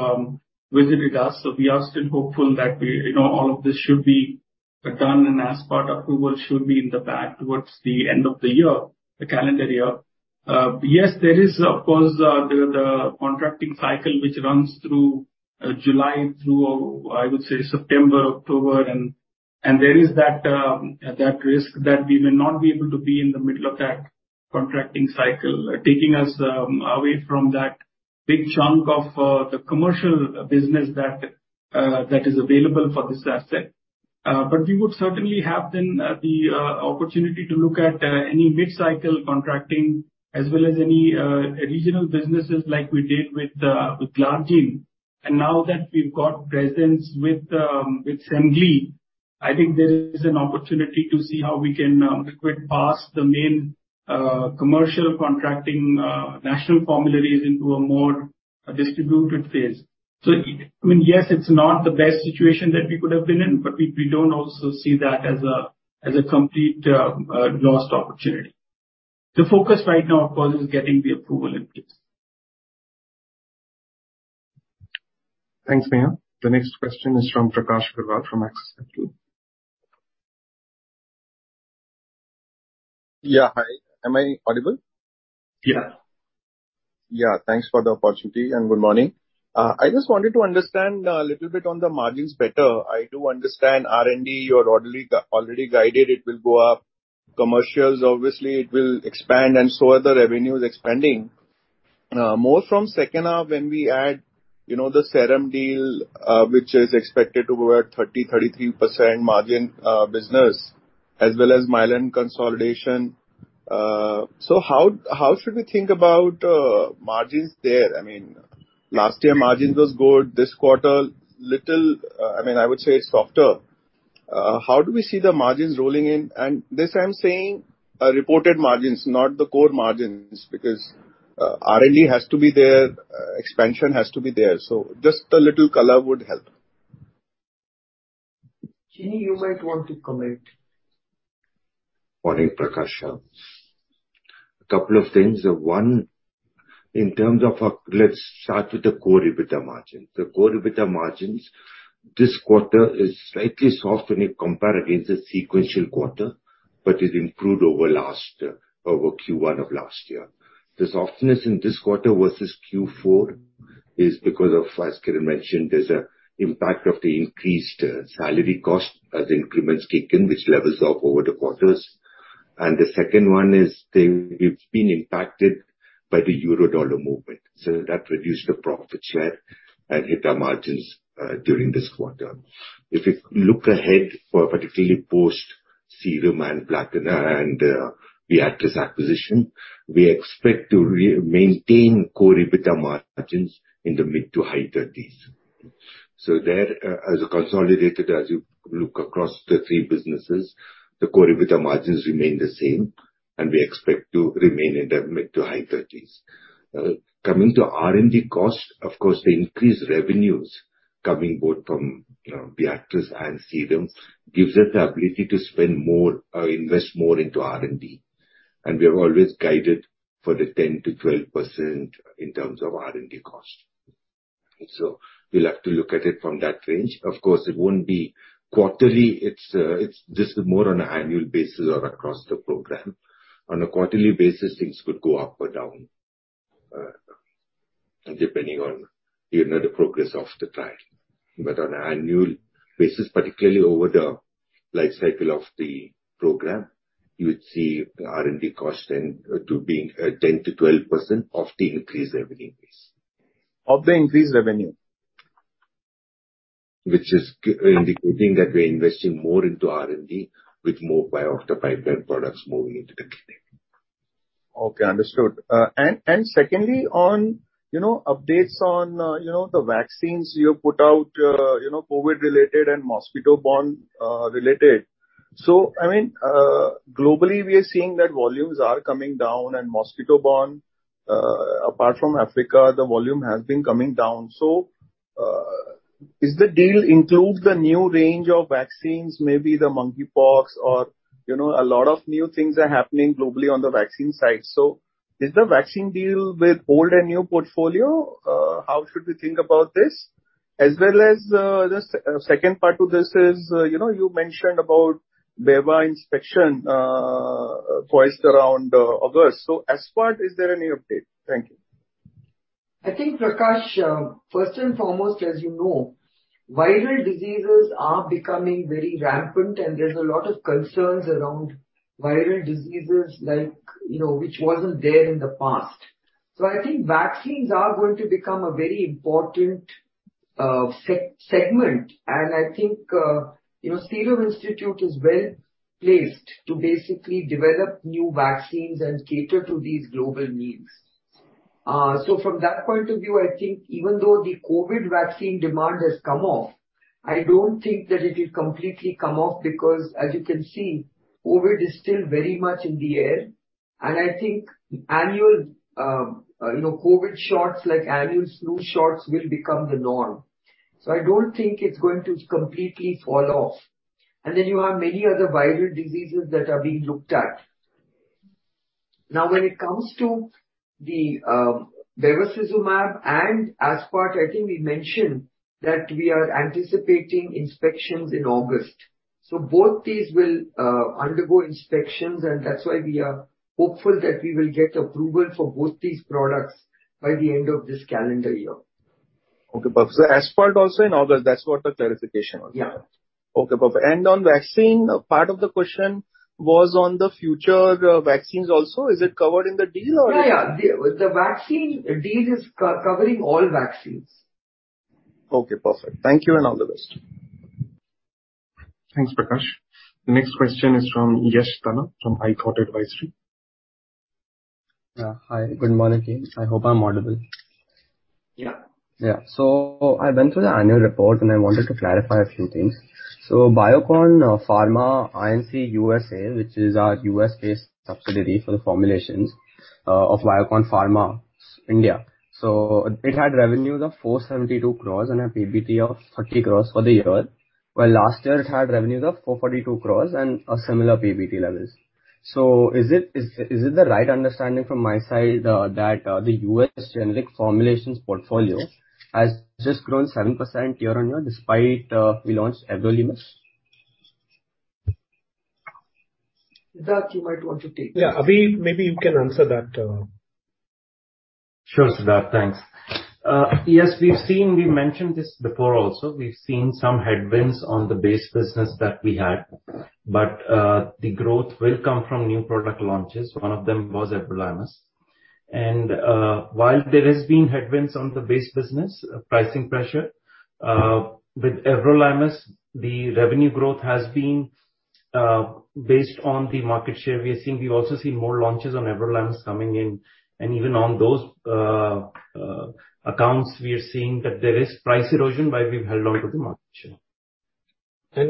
visited us. We are still hopeful that we, you know, all of this should be done, and aspart approval should be in the bag towards the end of the year, the calendar year. Yes, there is, of course, the contracting cycle, which runs through July through, I would say, September, October, and there is that risk that we may not be able to be in the middle of that contracting cycle, taking us away from that big chunk of the commercial business that is available for this asset. We would certainly have then the opportunity to look at any mid-cycle contracting as well as any regional businesses like we did with glargine. Now that we've got presence with Sandoz, I think there is an opportunity to see how we can bypass the main commercial contracting national formularies into a more distributed phase. I mean, yes, it's not the best situation that we could have been in, but we don't also see that as a complete lost opportunity. The focus right now, of course, is getting the approval in place. Thanks, Neha. The next question is from Prakash Agarwal from Axis Capital. Yeah. Hi. Am I audible? Yeah. Yeah. Thanks for the opportunity and good morning. I just wanted to understand a little bit on the margins better. I do understand R&D, you're already guided it will go up. Commercials, obviously it will expand, and so are the revenues expanding. More from second half when we add the Serum deal, which is expected to be about 30%, 33% margin business as well as Mylan consolidation. So how should we think about margins there? I mean Last year margins was good. This quarter, I mean, I would say softer. How do we see the margins rolling in? This I'm saying, reported margins not the core margins because R&D has to be there, expansion has to be there. Just a little color would help. Chinni, you might want to comment. Morning, Prakash. A couple of things. One, in terms of, let's start with the core EBITDA margin. The core EBITDA margins this quarter is slightly soft when you compare against the sequential quarter, but it improved over last, over Q1 of last year. The softness in this quarter versus Q4 is because of, as Shreehas mentioned, there's a impact of the increased, salary cost as increments kick in, which levels off over the quarters. The second one is the, we've been impacted by the euro-dollar movement, so that reduced the profit share and hit our margins, during this quarter. If you look ahead for particularly post Serum and Platinum and, the Atlas acquisition, we expect to re-maintain core EBITDA margins in the mid to high 30s. As a consolidated, as you look across the three businesses, the core EBITDA margins remain the same, and we expect to remain in the mid to high 30s. Coming to R&D costs, of course, the increased revenues coming both from, you know, Viatris and Serum, gives us the ability to spend more or invest more into R&D. We have always guided for the 10%-12% in terms of R&D cost. We'll have to look at it from that range. Of course, it won't be quarterly. It's just more on an annual basis or across the program. On a quarterly basis, things could go up or down, depending on, you know, the progress of the trial. On an annual basis, particularly over the life cycle of the program, you would see the R&D cost then to being 10%-12% of the increased revenue base. Of the increased revenue. Which is indicating that we're investing more into R&D with more bios of the pipeline products moving into the clinic. Okay, understood. Secondly, on updates on the vaccines you put out, you know, COVID related and mosquito borne related. I mean, globally we are seeing that volumes are coming down and mosquito borne, apart from Africa, the volume has been coming down. Is the deal includes the new range of vaccines, maybe the monkeypox or a lot of new things are happening globally on the vaccine side. Is the vaccine deal with old and new portfolio? How should we think about this? As well as, the second part to this is, you mentioned about bevacizumab inspection twice around August. Aspart is there any update? Thank you. I think Prakash, first and foremost, as you know, viral diseases are becoming very rampant and there's a lot of concerns around viral diseases like, you know, which wasn't there in the past. I think vaccines are going to become a very important segment. I think, you know, Serum Institute is well placed to basically develop new vaccines and cater to these global needs. From that point of view, I think even though the COVID vaccine demand has come off, I don't think that it is completely come off because as you can see, COVID is still very much in the air. I think annual, you know, COVID shots like annual flu shots will become the norm. I don't think it's going to completely fall off. Then you have many other viral diseases that are being looked at. Now, when it comes to the bevacizumab and aspart, I think we mentioned that we are anticipating inspections in August. Both these will undergo inspections and that's why we are hopeful that we will get approval for both these products by the end of this calendar year. Okay, perfect. Aspart also in August, that's what the clarification was. Yeah. Okay, perfect. On vaccine, part of the question was on the future vaccines also. Is it covered in the deal or it? Yeah, yeah. The vaccine deal is covering all vaccines. Okay, perfect. Thank you and all the best. Thanks, Prakash. The next question is from Yash Tanna from ithought Advisory. Yeah. Hi, good morning. I hope I'm audible. Yeah. Yeah. I went through the annual report, and I wanted to clarify a few things. Biocon Pharma Inc., USA, which is our U.S.-based subsidiary for the formulations of Biocon Pharma India. It had revenues of 472 crores and a PBT of 30 crores for the year, while last year it had revenues of 442 crores and a similar PBT levels. Is it the right understanding from my side that the U.S. generic formulations portfolio has just grown 7% year-on-year despite we launched everolimus? Siddharth, you might want to take that. Yeah. Abhi, maybe you can answer that. Sure, Siddharth. Thanks. Yes, we've seen, we mentioned this before also. We've seen some headwinds on the base business that we had, but the growth will come from new product launches. One of them was everolimus. While there has been headwinds on the base business, pricing pressure with everolimus, the revenue growth has been based on the market share we are seeing. We've also seen more launches on everolimus coming in. Even on those accounts, we are seeing that there is price erosion, but we've held on to the market share.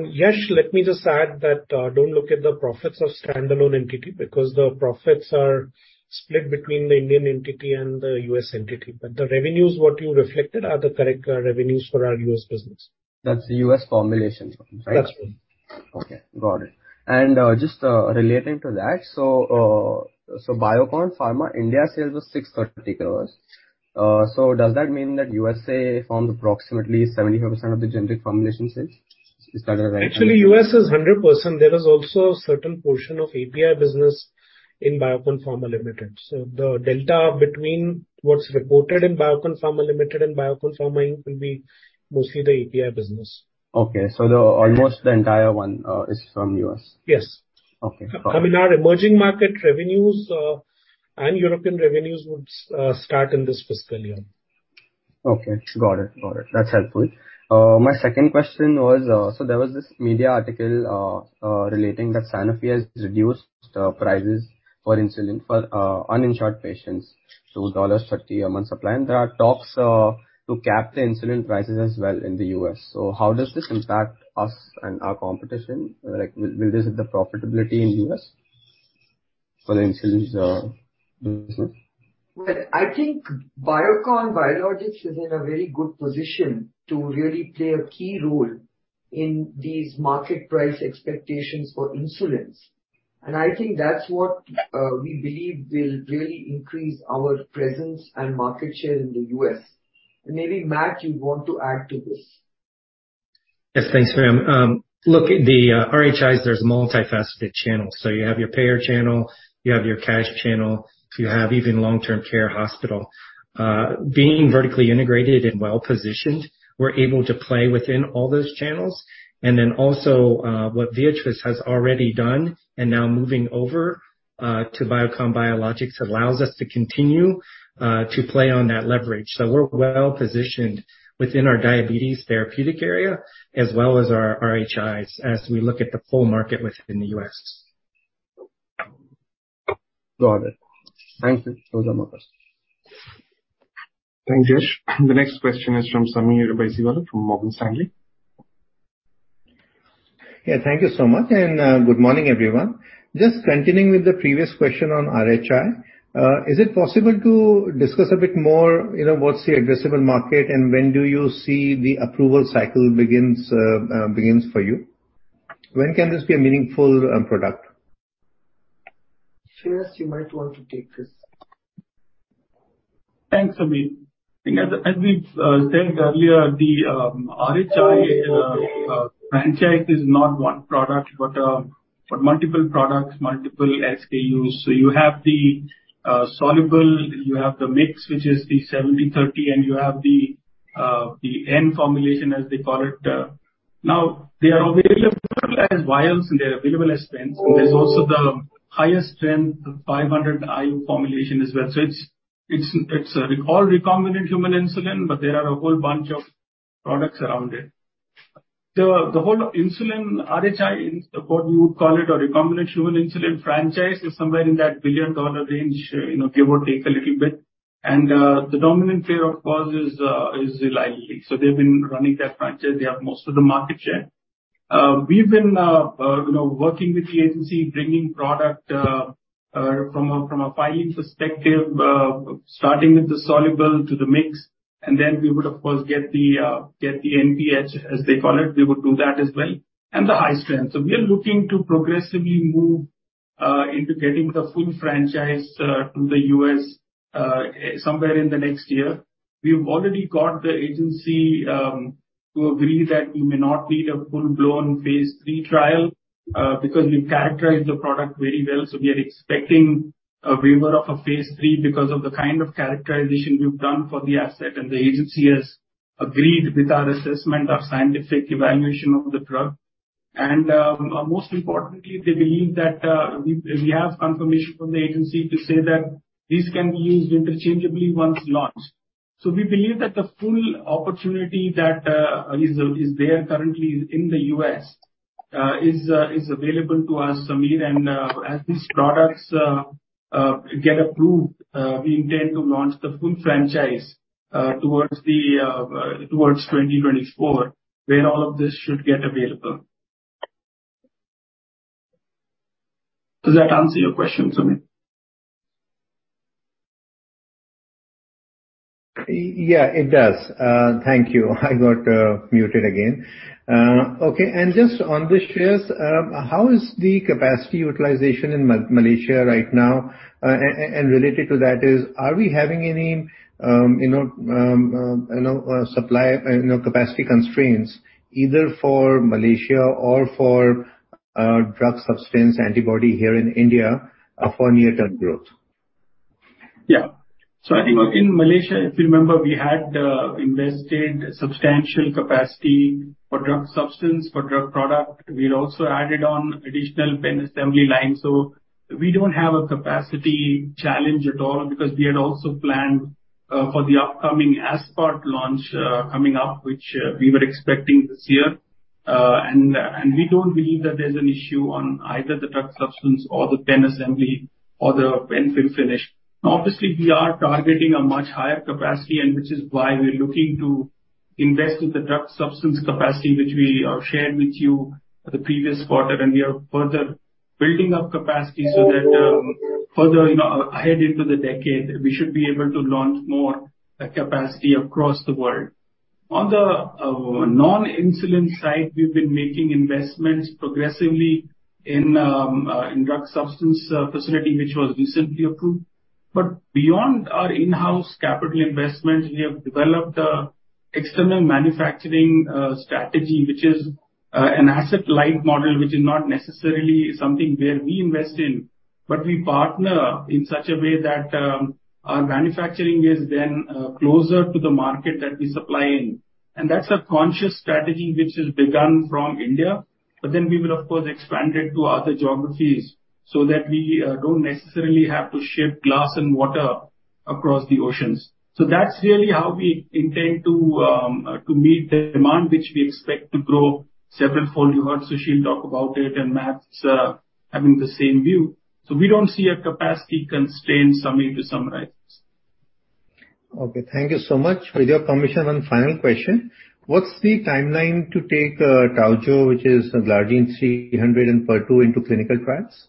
Yash, let me just add that, don't look at the profits of standalone entity because the profits are split between the Indian entity and the U.S. entity. The revenues, what you reflected are the correct revenues for our U.S. business. That's the U.S. formulations one, right? That's right. Okay, got it. Just relating to that. Biocon Pharma India sales was INR 630 crores. Does that mean that USA formed approximately 75% of the generic formulation sales? Is that a right- Actually, U.S. is 100%. There is also a certain portion of API business in Biocon Pharma Limited. The delta between what's reported in Biocon Pharma Limited and Biocon Pharma Inc. will be mostly the API business. Okay. The almost entire one is from U.S. Yes. Okay. I mean, our emerging market revenues and European revenues would start in this fiscal year. Okay. Got it. That's helpful. My second question was, so there was this media article relating that Sanofi has reduced prices for insulin for uninsured patients, so $30 a month supply. There are talks to cap the insulin prices as well in the U.S. How does this impact us and our competition? Like, will this hit the profitability in U.S.? For the insulin business. Well, I think Biocon Biologics is in a very good position to really play a key role in these market price expectations for insulins. I think that's what we believe will really increase our presence and market share in the U.S. Maybe, Matt, you'd want to add to this. Yes. Thanks, Kiran, the rHIs, there's multifaceted channels. You have your payer channel, you have your cash channel, you have even long-term care hospital. Being vertically integrated and well-positioned, we're able to play within all those channels and then also, what Viatris has already done and now moving over to Biocon Biologics allows us to continue to play on that leverage. We're well-positioned within our diabetes therapeutic area as well are our rHIs as we look at the full market within the U.S. Got it. Thank you. Those are my questions. Thanks, Yash. The next question is from Sameer Baisiwala from Morgan Stanley. Yeah. Thank you so much. Good morning, everyone. Just continuing with the previous question on rHI. Is it possible to discuss a bit more, you know, what's the addressable market and when do you see the approval cycle begins for you? When can this be a meaningful product? Shreehas, you might want to take this. Thanks, Sameer. I think as we said earlier, the rHI franchise is not one product, but for multiple products, multiple SKUs. You have the soluble, you have the mix, which is the 70/30, and you have the N formulation, as they call it. Now, they are available as vials, and they're available as pens. There's also the highest-end, 500 IU formulation as well. It's all recombinant human insulin, but there are a whole bunch of products around it. The whole insulin rHI, what you would call it, a recombinant human insulin franchise is somewhere in that $1 billion range, you know, give or take a little bit. The dominant player, of course, is Eli Lilly. They've been running that franchise. They have most of the market share. We've been, you know, working with the agency, bringing product from a filing perspective, starting with the soluble to the mix. Then we would, of course, get the NPH, as they call it. We would do that as well, and the high strength. We are looking to progressively move into getting the full franchise to the U.S. somewhere in the next year. We've already got the agency to agree that we may not need a full-blown phase three trial because we've characterized the product very well, so we are expecting a waiver of a phase three because of the kind of characterization we've done for the asset. The agency has agreed with our assessment, our scientific evaluation of the drug. Most importantly, they believe that we have confirmation from the agency to say that these can be used interchangeably once launched. We believe that the full opportunity that is there currently in the U.S. is available to us, Sameer. As these products get approved, we intend to launch the full franchise towards 2024, when all of this should get available. Does that answer your question, Sameer? Yeah, it does. Thank you. I got muted again. Okay. Just on this, Shreehas, how is the capacity utilization in Malaysia right now? And related to that, are we having any, you know, supply capacity constraints either for Malaysia or for drug substance antibody here in India for near-term growth? Yeah. I think in Malaysia, if you remember, we had invested substantial capacity for drug substance, for drug product. We had also added on additional pen assembly line. We don't have a capacity challenge at all because we had also planned for the upcoming Aspart launch, coming up, which we were expecting this year. And we don't believe that there's an issue on either the drug substance or the pen assembly or the pen fill finish. Obviously, we are targeting a much higher capacity, and which is why we're looking to invest in the drug substance capacity, which we have shared with you the previous quarter, and we are further building up capacity so that further, you know, ahead into the decade, we should be able to launch more capacity across the world. On the non-insulin side, we've been making investments progressively in drug substance facility, which was recently approved. Beyond our in-house capital investments, we have developed an external manufacturing strategy, which is an asset-light model, which is not necessarily something where we invest in, but we partner in such a way that our manufacturing is then closer to the market that we supply in. That's a conscious strategy which has begun from India, but then we will of course expand it to other geographies so that we don't necessarily have to ship glass and water across the oceans. That's really how we intend to meet the demand, which we expect to grow sevenfold. Susheel will talk about it, and Matt's having the same view. We don't see a capacity constraint, Sameer, to summarize. Okay, thank you so much. With your permission, one final question. What's the timeline to take Toujeo, which is glargine 300 and pertuzumab into clinical trials?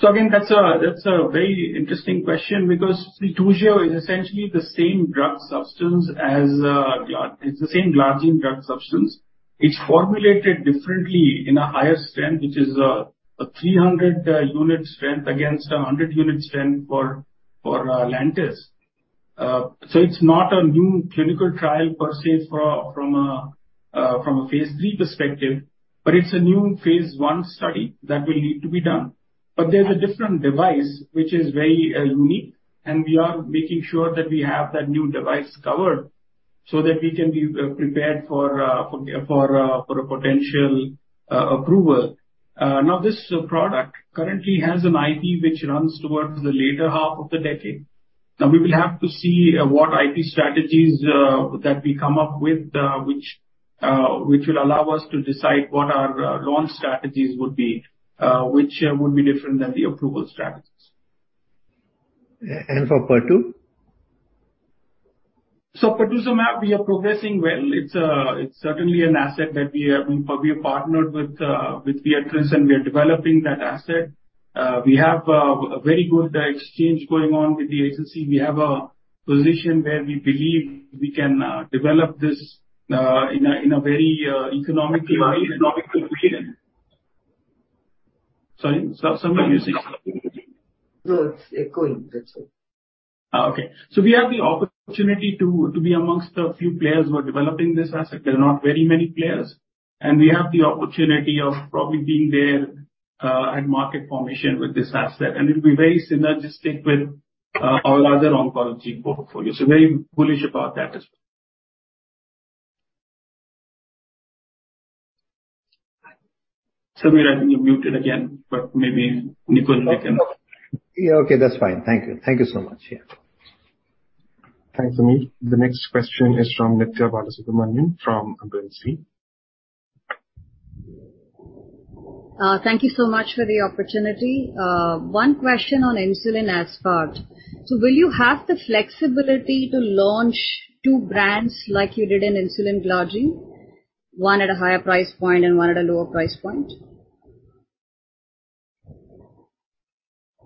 That's a very interesting question because Toujeo is essentially the same drug substance as glargine. It's the same glargine drug substance. It's formulated differently in a higher strength, which is a 300 unit strength against a 100 unit strength for Lantus. It's not a new clinical trial per se from a phase three perspective, but it's a new phase one study that will need to be done. But there's a different device which is very unique, and we are making sure that we have that new device covered so that we can be prepared for a potential approval. Now, this product currently has an IP which runs towards the latter half of the decade. Now we will have to see what IP strategies that we come up with which will allow us to decide what our launch strategies would be which would be different than the approval strategies. For pertuzumab? Pertuzumab, we are progressing well. It's certainly an asset that we have partnered with Viatris, and we are developing that asset. We have a very good exchange going on with the agency. We have a position where we believe we can develop this in a very economically. Sorry, Sameer, you're saying something? No, it's echoing. That's all. Oh, okay. We have the opportunity to be amongst the few players who are developing this asset. There are not very many players, and we have the opportunity of probably being there at market formation with this asset. It'll be very synergistic with our larger oncology portfolio. Very bullish about that as well. Sameer, I think you're muted again, but maybe Nikunj can- Yeah, okay. That's fine. Thank you. Thank you so much. Yeah. Thanks, Sameer. The next question is from Nithya Balasubramanian from Bernstein. Thank you so much for the opportunity. One question on insulin aspart. Will you have the flexibility to launch two brands like you did in insulin glargine, one at a higher price point and one at a lower price point?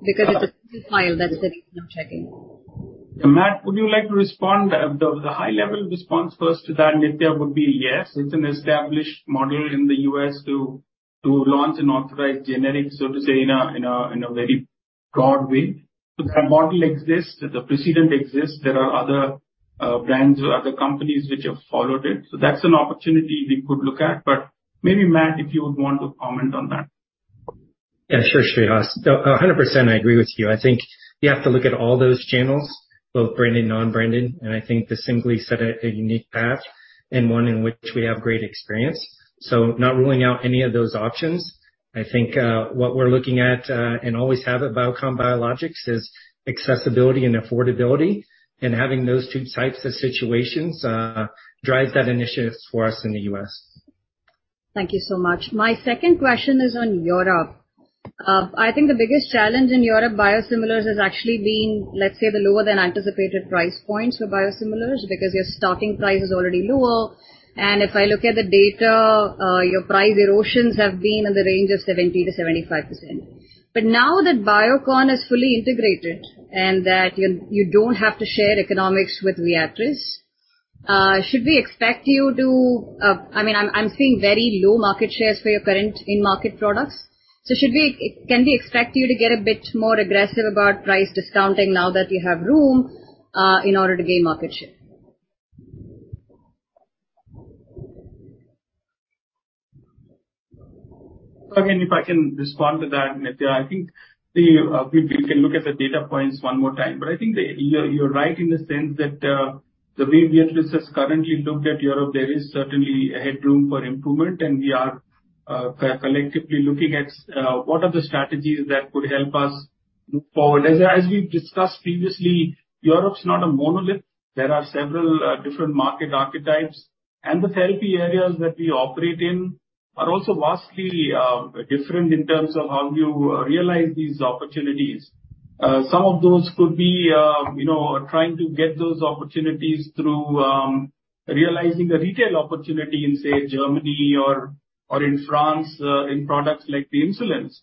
Because it's a file that's sitting for checking. Matt, would you like to respond? The high-level response first to that, Nitya, would be, yes. It's an established model in the U.S. to launch an authorized generic, so to say, in a very broad way. That model exists. The precedent exists. There are other brands or other companies which have followed it. That's an opportunity we could look at. Maybe, Matt, if you would want to comment on that. Yeah, sure, Shreehas. 100% I agree with you. I think we have to look at all those channels, both branded and non-branded. I think the Semglee set a unique path and one in which we have great experience. Not ruling out any of those options. I think what we're looking at and always have at Biocon Biologics is accessibility and affordability. Having those two types of situations drives that initiative for us in the U.S. Thank you so much. My second question is on Europe. I think the biggest challenge in European biosimilars has actually been, let's say, the lower than anticipated price points for biosimilars because your starting price is already lower. If I look at the data, your price erosions have been in the range of 70%-75%. Now that Biocon is fully integrated and that you don't have to share economics with Viatris, should we expect you to? I mean, I'm seeing very low market shares for your current in-market products. Can we expect you to get a bit more aggressive about price discounting now that you have room in order to gain market share? Again, if I can respond to that, Nithya, I think we can look at the data points one more time, but I think that you're right in the sense that the way Viatris has currently looked at Europe, there is certainly headroom for improvement and we are collectively looking at what are the strategies that could help us move forward. As we've discussed previously, Europe's not a monolith. There are several different market archetypes, and the therapy areas that we operate in are also vastly different in terms of how you realize these opportunities. Some of those could be, you know, trying to get those opportunities through realizing a retail opportunity in, say, Germany or in France in products like the insulins.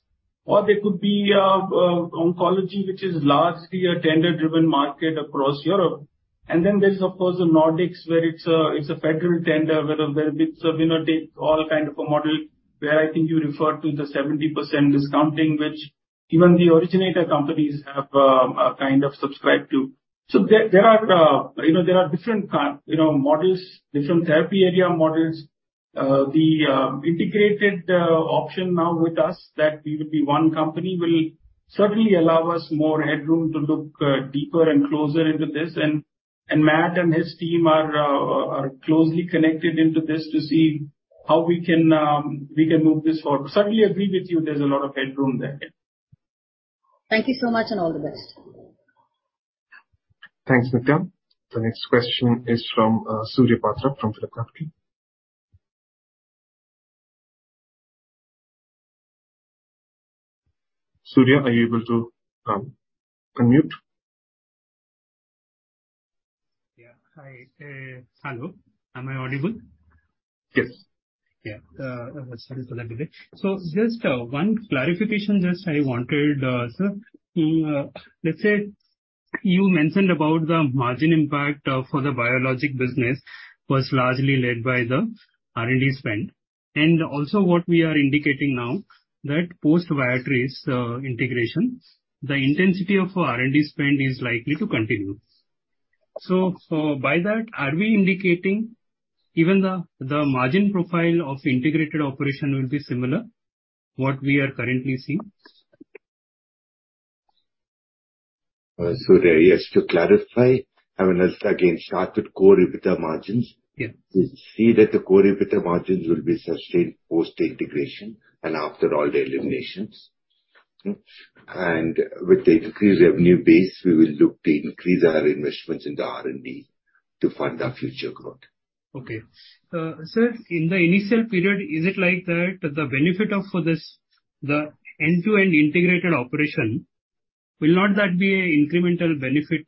They could be oncology, which is largely a tender-driven market across Europe. Then there's, of course, the Nordics, where it's a federal tender, where it's a winner-take-all kind of a model, where I think you referred to the 70% discounting, which even the originator companies have kind of subscribed to. There are, you know, different kind, you know, models, different therapy area models. The integrated option now with us that we will be one company will certainly allow us more headroom to look deeper and closer into this. Matt and his team are closely connected into this to see how we can move this forward. Certainly agree with you, there's a lot of headroom there, yeah. Thank you so much, and all the best. Thanks, Nitya. The next question is from Surya Patra from PhillipCapital. Surya, are you able to unmute? Yeah. Hi. Hello. Am I audible? Yes. Yeah. Sorry for that delay. Just one clarification I wanted, sir. Let's say you mentioned about the margin impact for the biologics business was largely led by the R&D spend. Also what we are indicating now that post-Viatris's integration, the intensity of R&D spend is likely to continue. By that, are we indicating even the margin profile of integrated operation will be similar, what we are currently seeing? Surya, yes, to clarify, I mean, as again started core EBITDA margins. Yeah. We see that the core EBITDA margins will be sustained post-integration and after all the eliminations. With the increased revenue base, we will look to increase our investments in the R&D to fund our future growth. Okay. Sir, in the initial period, is it like that the benefit of this, the end-to-end integrated operation, will not that be an incremental benefit,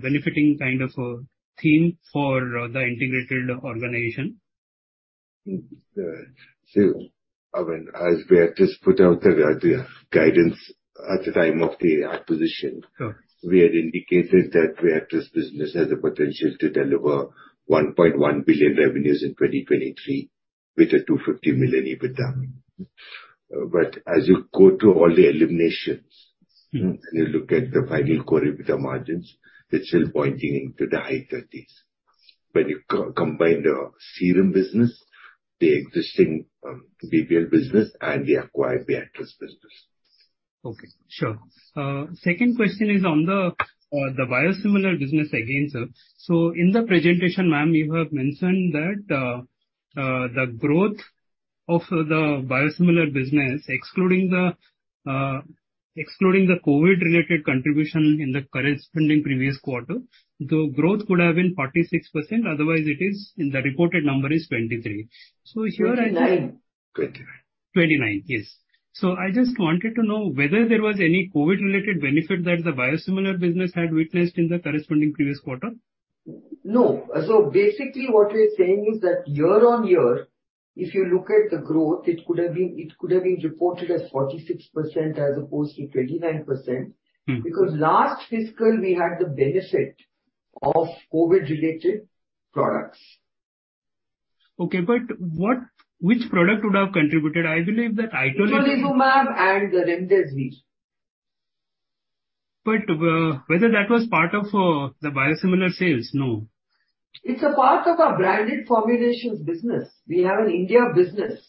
benefiting kind of thing for the integrated organization? I mean, as we had just put out the guidance at the time of the acquisition. Sure. We had indicated that Viatris's business has the potential to deliver $1.1 billion revenues in 2023, with a $250 million EBITDA. As you go through all the eliminations. Mm-hmm. You look at the final core EBITDA margins, it's still pointing into the high 30s. When you combine the Serum business, the existing BBL business and the acquired Viatris business. Okay. Sure. Second question is on the biosimilar business again, sir. In the presentation, ma'am, you have mentioned that the growth of the biosimilar business, excluding the COVID-related contribution in the corresponding previous quarter, the growth could have been 46%, otherwise it is, in the reported number is 23%. Here I- 29%. 29%, yes. I just wanted to know whether there was any COVID related benefit that the biosimilar business had witnessed in the corresponding previous quarter. No. Basically what we're saying is that year-on-year, if you look at the growth, it could have been reported as 46% as opposed to 29%. Mm-hmm. Because last fiscal we had the benefit of COVID-related products. Which product would have contributed? I believe that itolizumab- Itolizumab and remdesivir. whether that was part of the biosimilar sales, no. It's a part of our branded formulations business. We have an India business,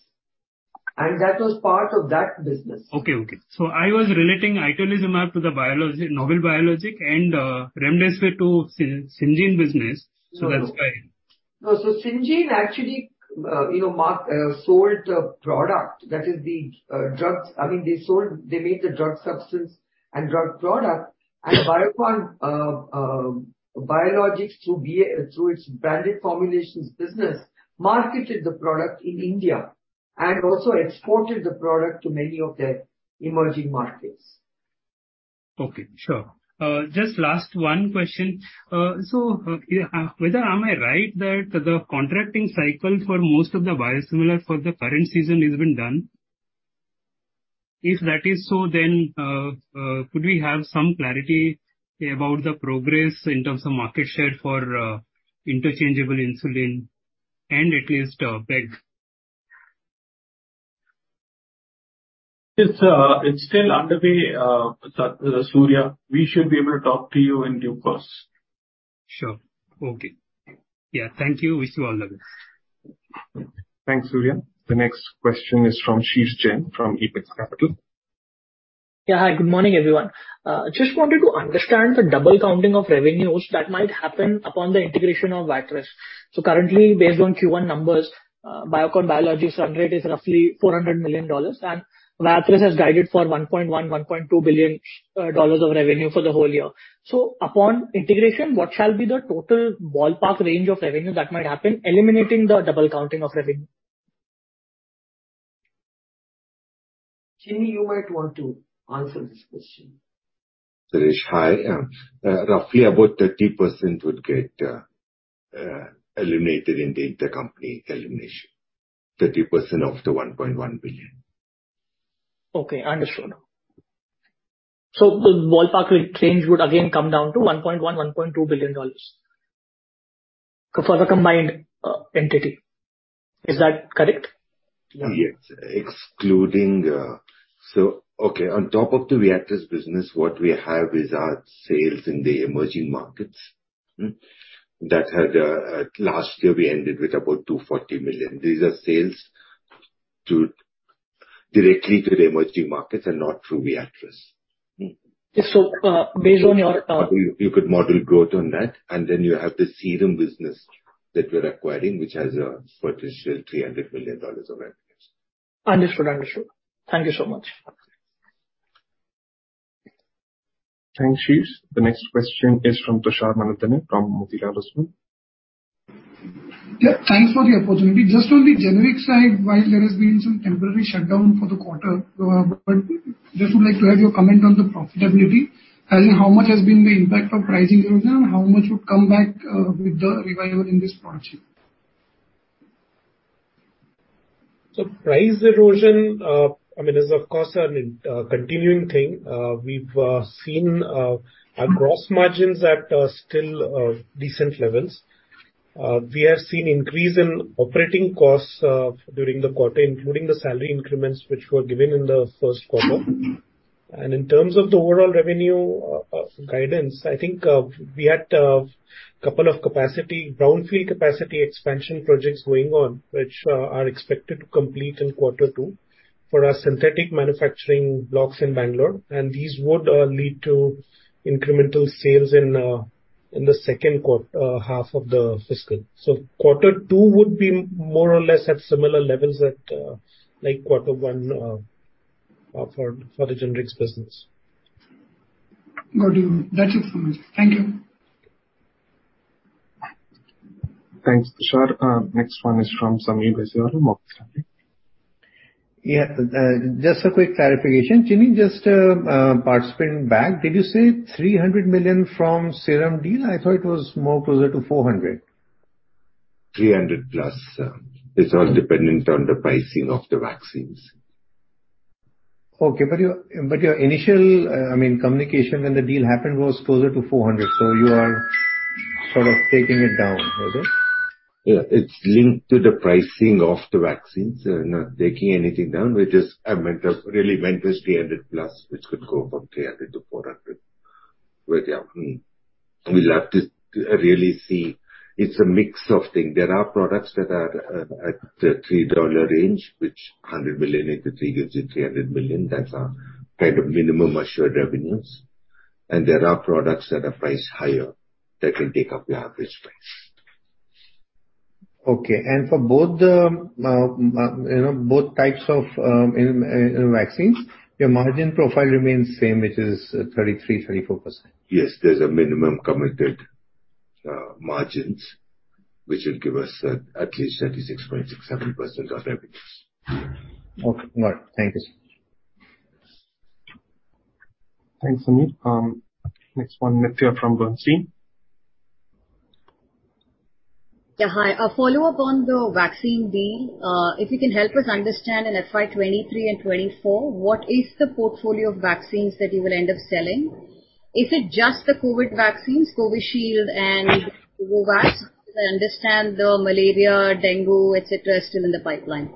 and that was part of that business. Okay. I was relating itolizumab to the novel biologic and remdesivir to Syngene business. No. That's why. No. Syngene actually, you know, Mark, sold a product that is the drugs. I mean, they made the drug substance and drug product and Biocon Biologics through Viatris, its branded formulations business, marketed the product in India and also exported the product to many of their emerging markets. Okay. Sure. Just last one question. Whether am I right that the contracting cycle for most of the biosimilar for the current season has been done? If that is so, then could we have some clarity about the progress in terms of market share for interchangeable insulin and at least pegs? It's still underway, Surya. We should be able to talk to you in due course. Sure. Okay. Yeah. Thank you. Wish you all the best. Thanks, Surya. The next question is from Sheersh Jain from Apex Capital. Yeah. Hi, good morning, everyone. Just wanted to understand the double counting of revenues that might happen upon the integration of Viatris. Currently, based on Q1 numbers, Biocon Biologics run rate is roughly $400 million, and Viatris has guided for $1.1 billion, $1.2 billion of revenue for the whole year. Upon integration, what shall be the total ballpark range of revenue that might happen, eliminating the double counting of revenue? Chinni, you might want to answer this question. Sheersh, hi. Roughly about 30% would get eliminated in the intercompany elimination. 30% of the $1.1 billion. Okay, understood now. The ballpark range would again come down to $1.1 billion, $1.2 billion for the combined entity. Is that correct? Yes. Okay, on top of the Viatris's business, what we have is our sales in the emerging markets. Last year we ended with about $240 million. These are sales directly to the emerging markets and not through Viatris. Based on your, You could model growth on that, and then you have the serum business that we're acquiring, which has a potential $300 million of revenues. Understood. Thank you so much. Thanks, Sheersh. The next question is from Tushar Manudhane from Motilal Oswal. Yeah, thanks for the opportunity. Just on the generic side, while there has been some temporary shutdown for the quarter, but just would like to have your comment on the profitability. I mean, how much has been the impact of pricing erosion and how much would come back, with the revival in this function? Price erosion, I mean, is of course a continuing thing. We've seen our gross margins at still decent levels. We have seen increase in operating costs during the quarter, including the salary increments which were given in the first quarter. In terms of the overall revenue guidance, I think, we had a couple of brownfield capacity expansion projects going on which are expected to complete in quarter two for our synthetic manufacturing blocks in Bangalore. These would lead to incremental sales in the second half of the fiscal. Quarter two would be more or less at similar levels like quarter one for the generics business. Got you. That's it from me. Thank you. Thanks, Tushar. Next one is from Sameer Baisiwala, Morgan Stanley. Yeah. Just a quick clarification. Chinni, just participating back. Did you say $300 million from Serum deal? I thought it was more closer to $400 million. $300+ million. It's all dependent on the pricing of the vaccines. Your initial, I mean, communication when the deal happened was closer to $400 million, so you are sort of taking it down, is it? Yeah. It's linked to the pricing of the vaccines. We're not taking anything down. We just, I meant, really meant was $300+ million, which could go from $300 million to $400 million. Yeah, we'll have to really see. It's a mix of things. There are products that are at the $3 range, which $100 million into three gives you $300 million. That's our kind of minimum assured revenues. There are products that are priced higher that will take up your average price. Okay. For both the you know, both types of you know, vaccines, your margin profile remains same, which is 33%, 34%? Yes, there's a minimum committed margins which will give us at least 36.67% of revenues. Okay. All right. Thank you, sir. Thanks, Sameer. Next one, Nithya from Bernstein. Yeah, hi. A follow-up on the vaccine deal. If you can help us understand in FY 2023 and 2024, what is the portfolio of vaccines that you will end up selling? Is it just the COVID vaccines, Covishield and COVAX? I understand the malaria, dengue, et cetera, are still in the pipeline.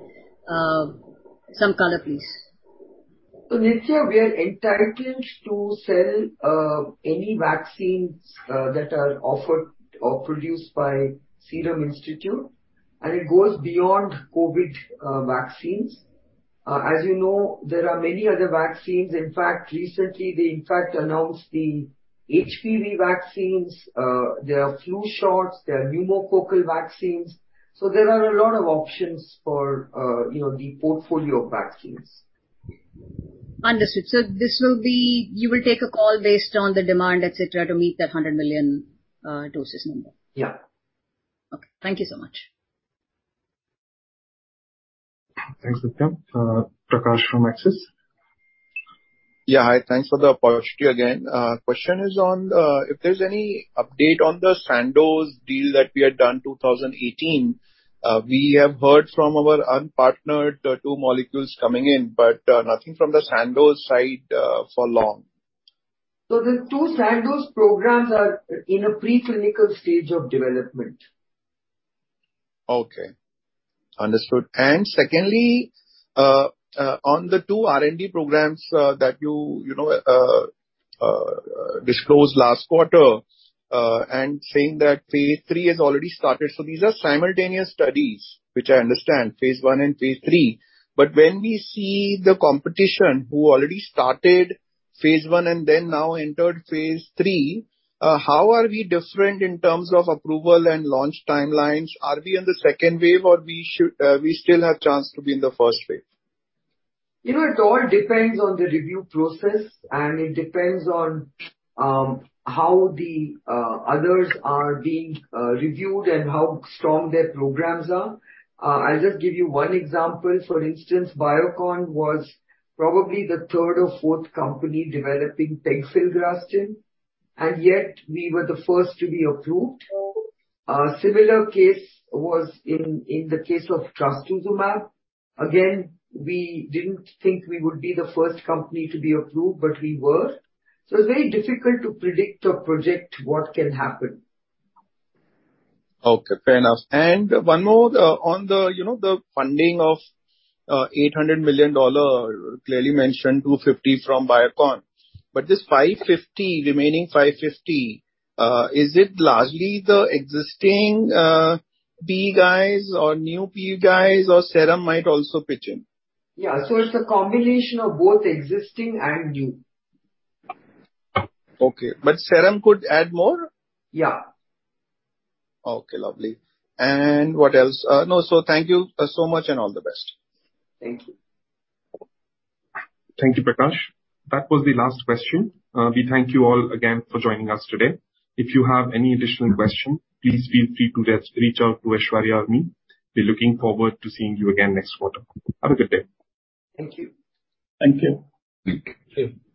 Some color, please. Nithya, we are entitled to sell any vaccines that are offered or produced by Serum Institute, and it goes beyond COVID vaccines. As you know, there are many other vaccines. In fact, recently they announced the HPV vaccines, there are flu shots, there are pneumococcal vaccines, so there are a lot of options for, you know, the portfolio of vaccines. Understood. This will be. You will take a call based on the demand, et cetera, to meet that 100 million doses number? Yeah. Okay. Thank you so much. Thanks, Nitya. Prakash from Axis. Yeah, hi. Thanks for the opportunity again. Question is on if there's any update on the Sandoz deal that we had done 2018. We have heard from our partners two molecules coming in, but nothing from the Sandoz side for long. The two Sandoz programs are in a preclinical stage of development. Okay. Understood. Secondly, on the two R&D programs that you know disclosed last quarter, and saying that phase III has already started. These are simultaneous studies, which I understand, phase I and phase III, but when we see the competition who already started phase I and then now entered phase III, how are we different in terms of approval and launch timelines? Are we in the second wave or should we still have chance to be in the first wave? You know, it all depends on the review process and it depends on how the others are being reviewed and how strong their programs are. I'll just give you one example. For instance, Biocon was probably the third or fourth company developing pegfilgrastim, and yet we were the first to be approved. A similar case was in the case of trastuzumab. Again, we didn't think we would be the first company to be approved, but we were. It's very difficult to predict or project what can happen. Okay, fair enough. One more on the, you know, the funding of $800 million, clearly mentioned $250 from Biocon. But this $550, remaining $550, is it largely the existing PE guys or new PE guys or Serum might also pitch in? Yeah. It's a combination of both existing and new. Okay. Serum could add more? Yeah. Okay, lovely. What else? No. Thank you so much and all the best. Thank you. Thank you, Prakash. That was the last question. We thank you all again for joining us today. If you have any additional question, please feel free to just reach out to Aishwarya or me. We're looking forward to seeing you again next quarter. Have a good day. Thank you. Thank you. Thank you. See you.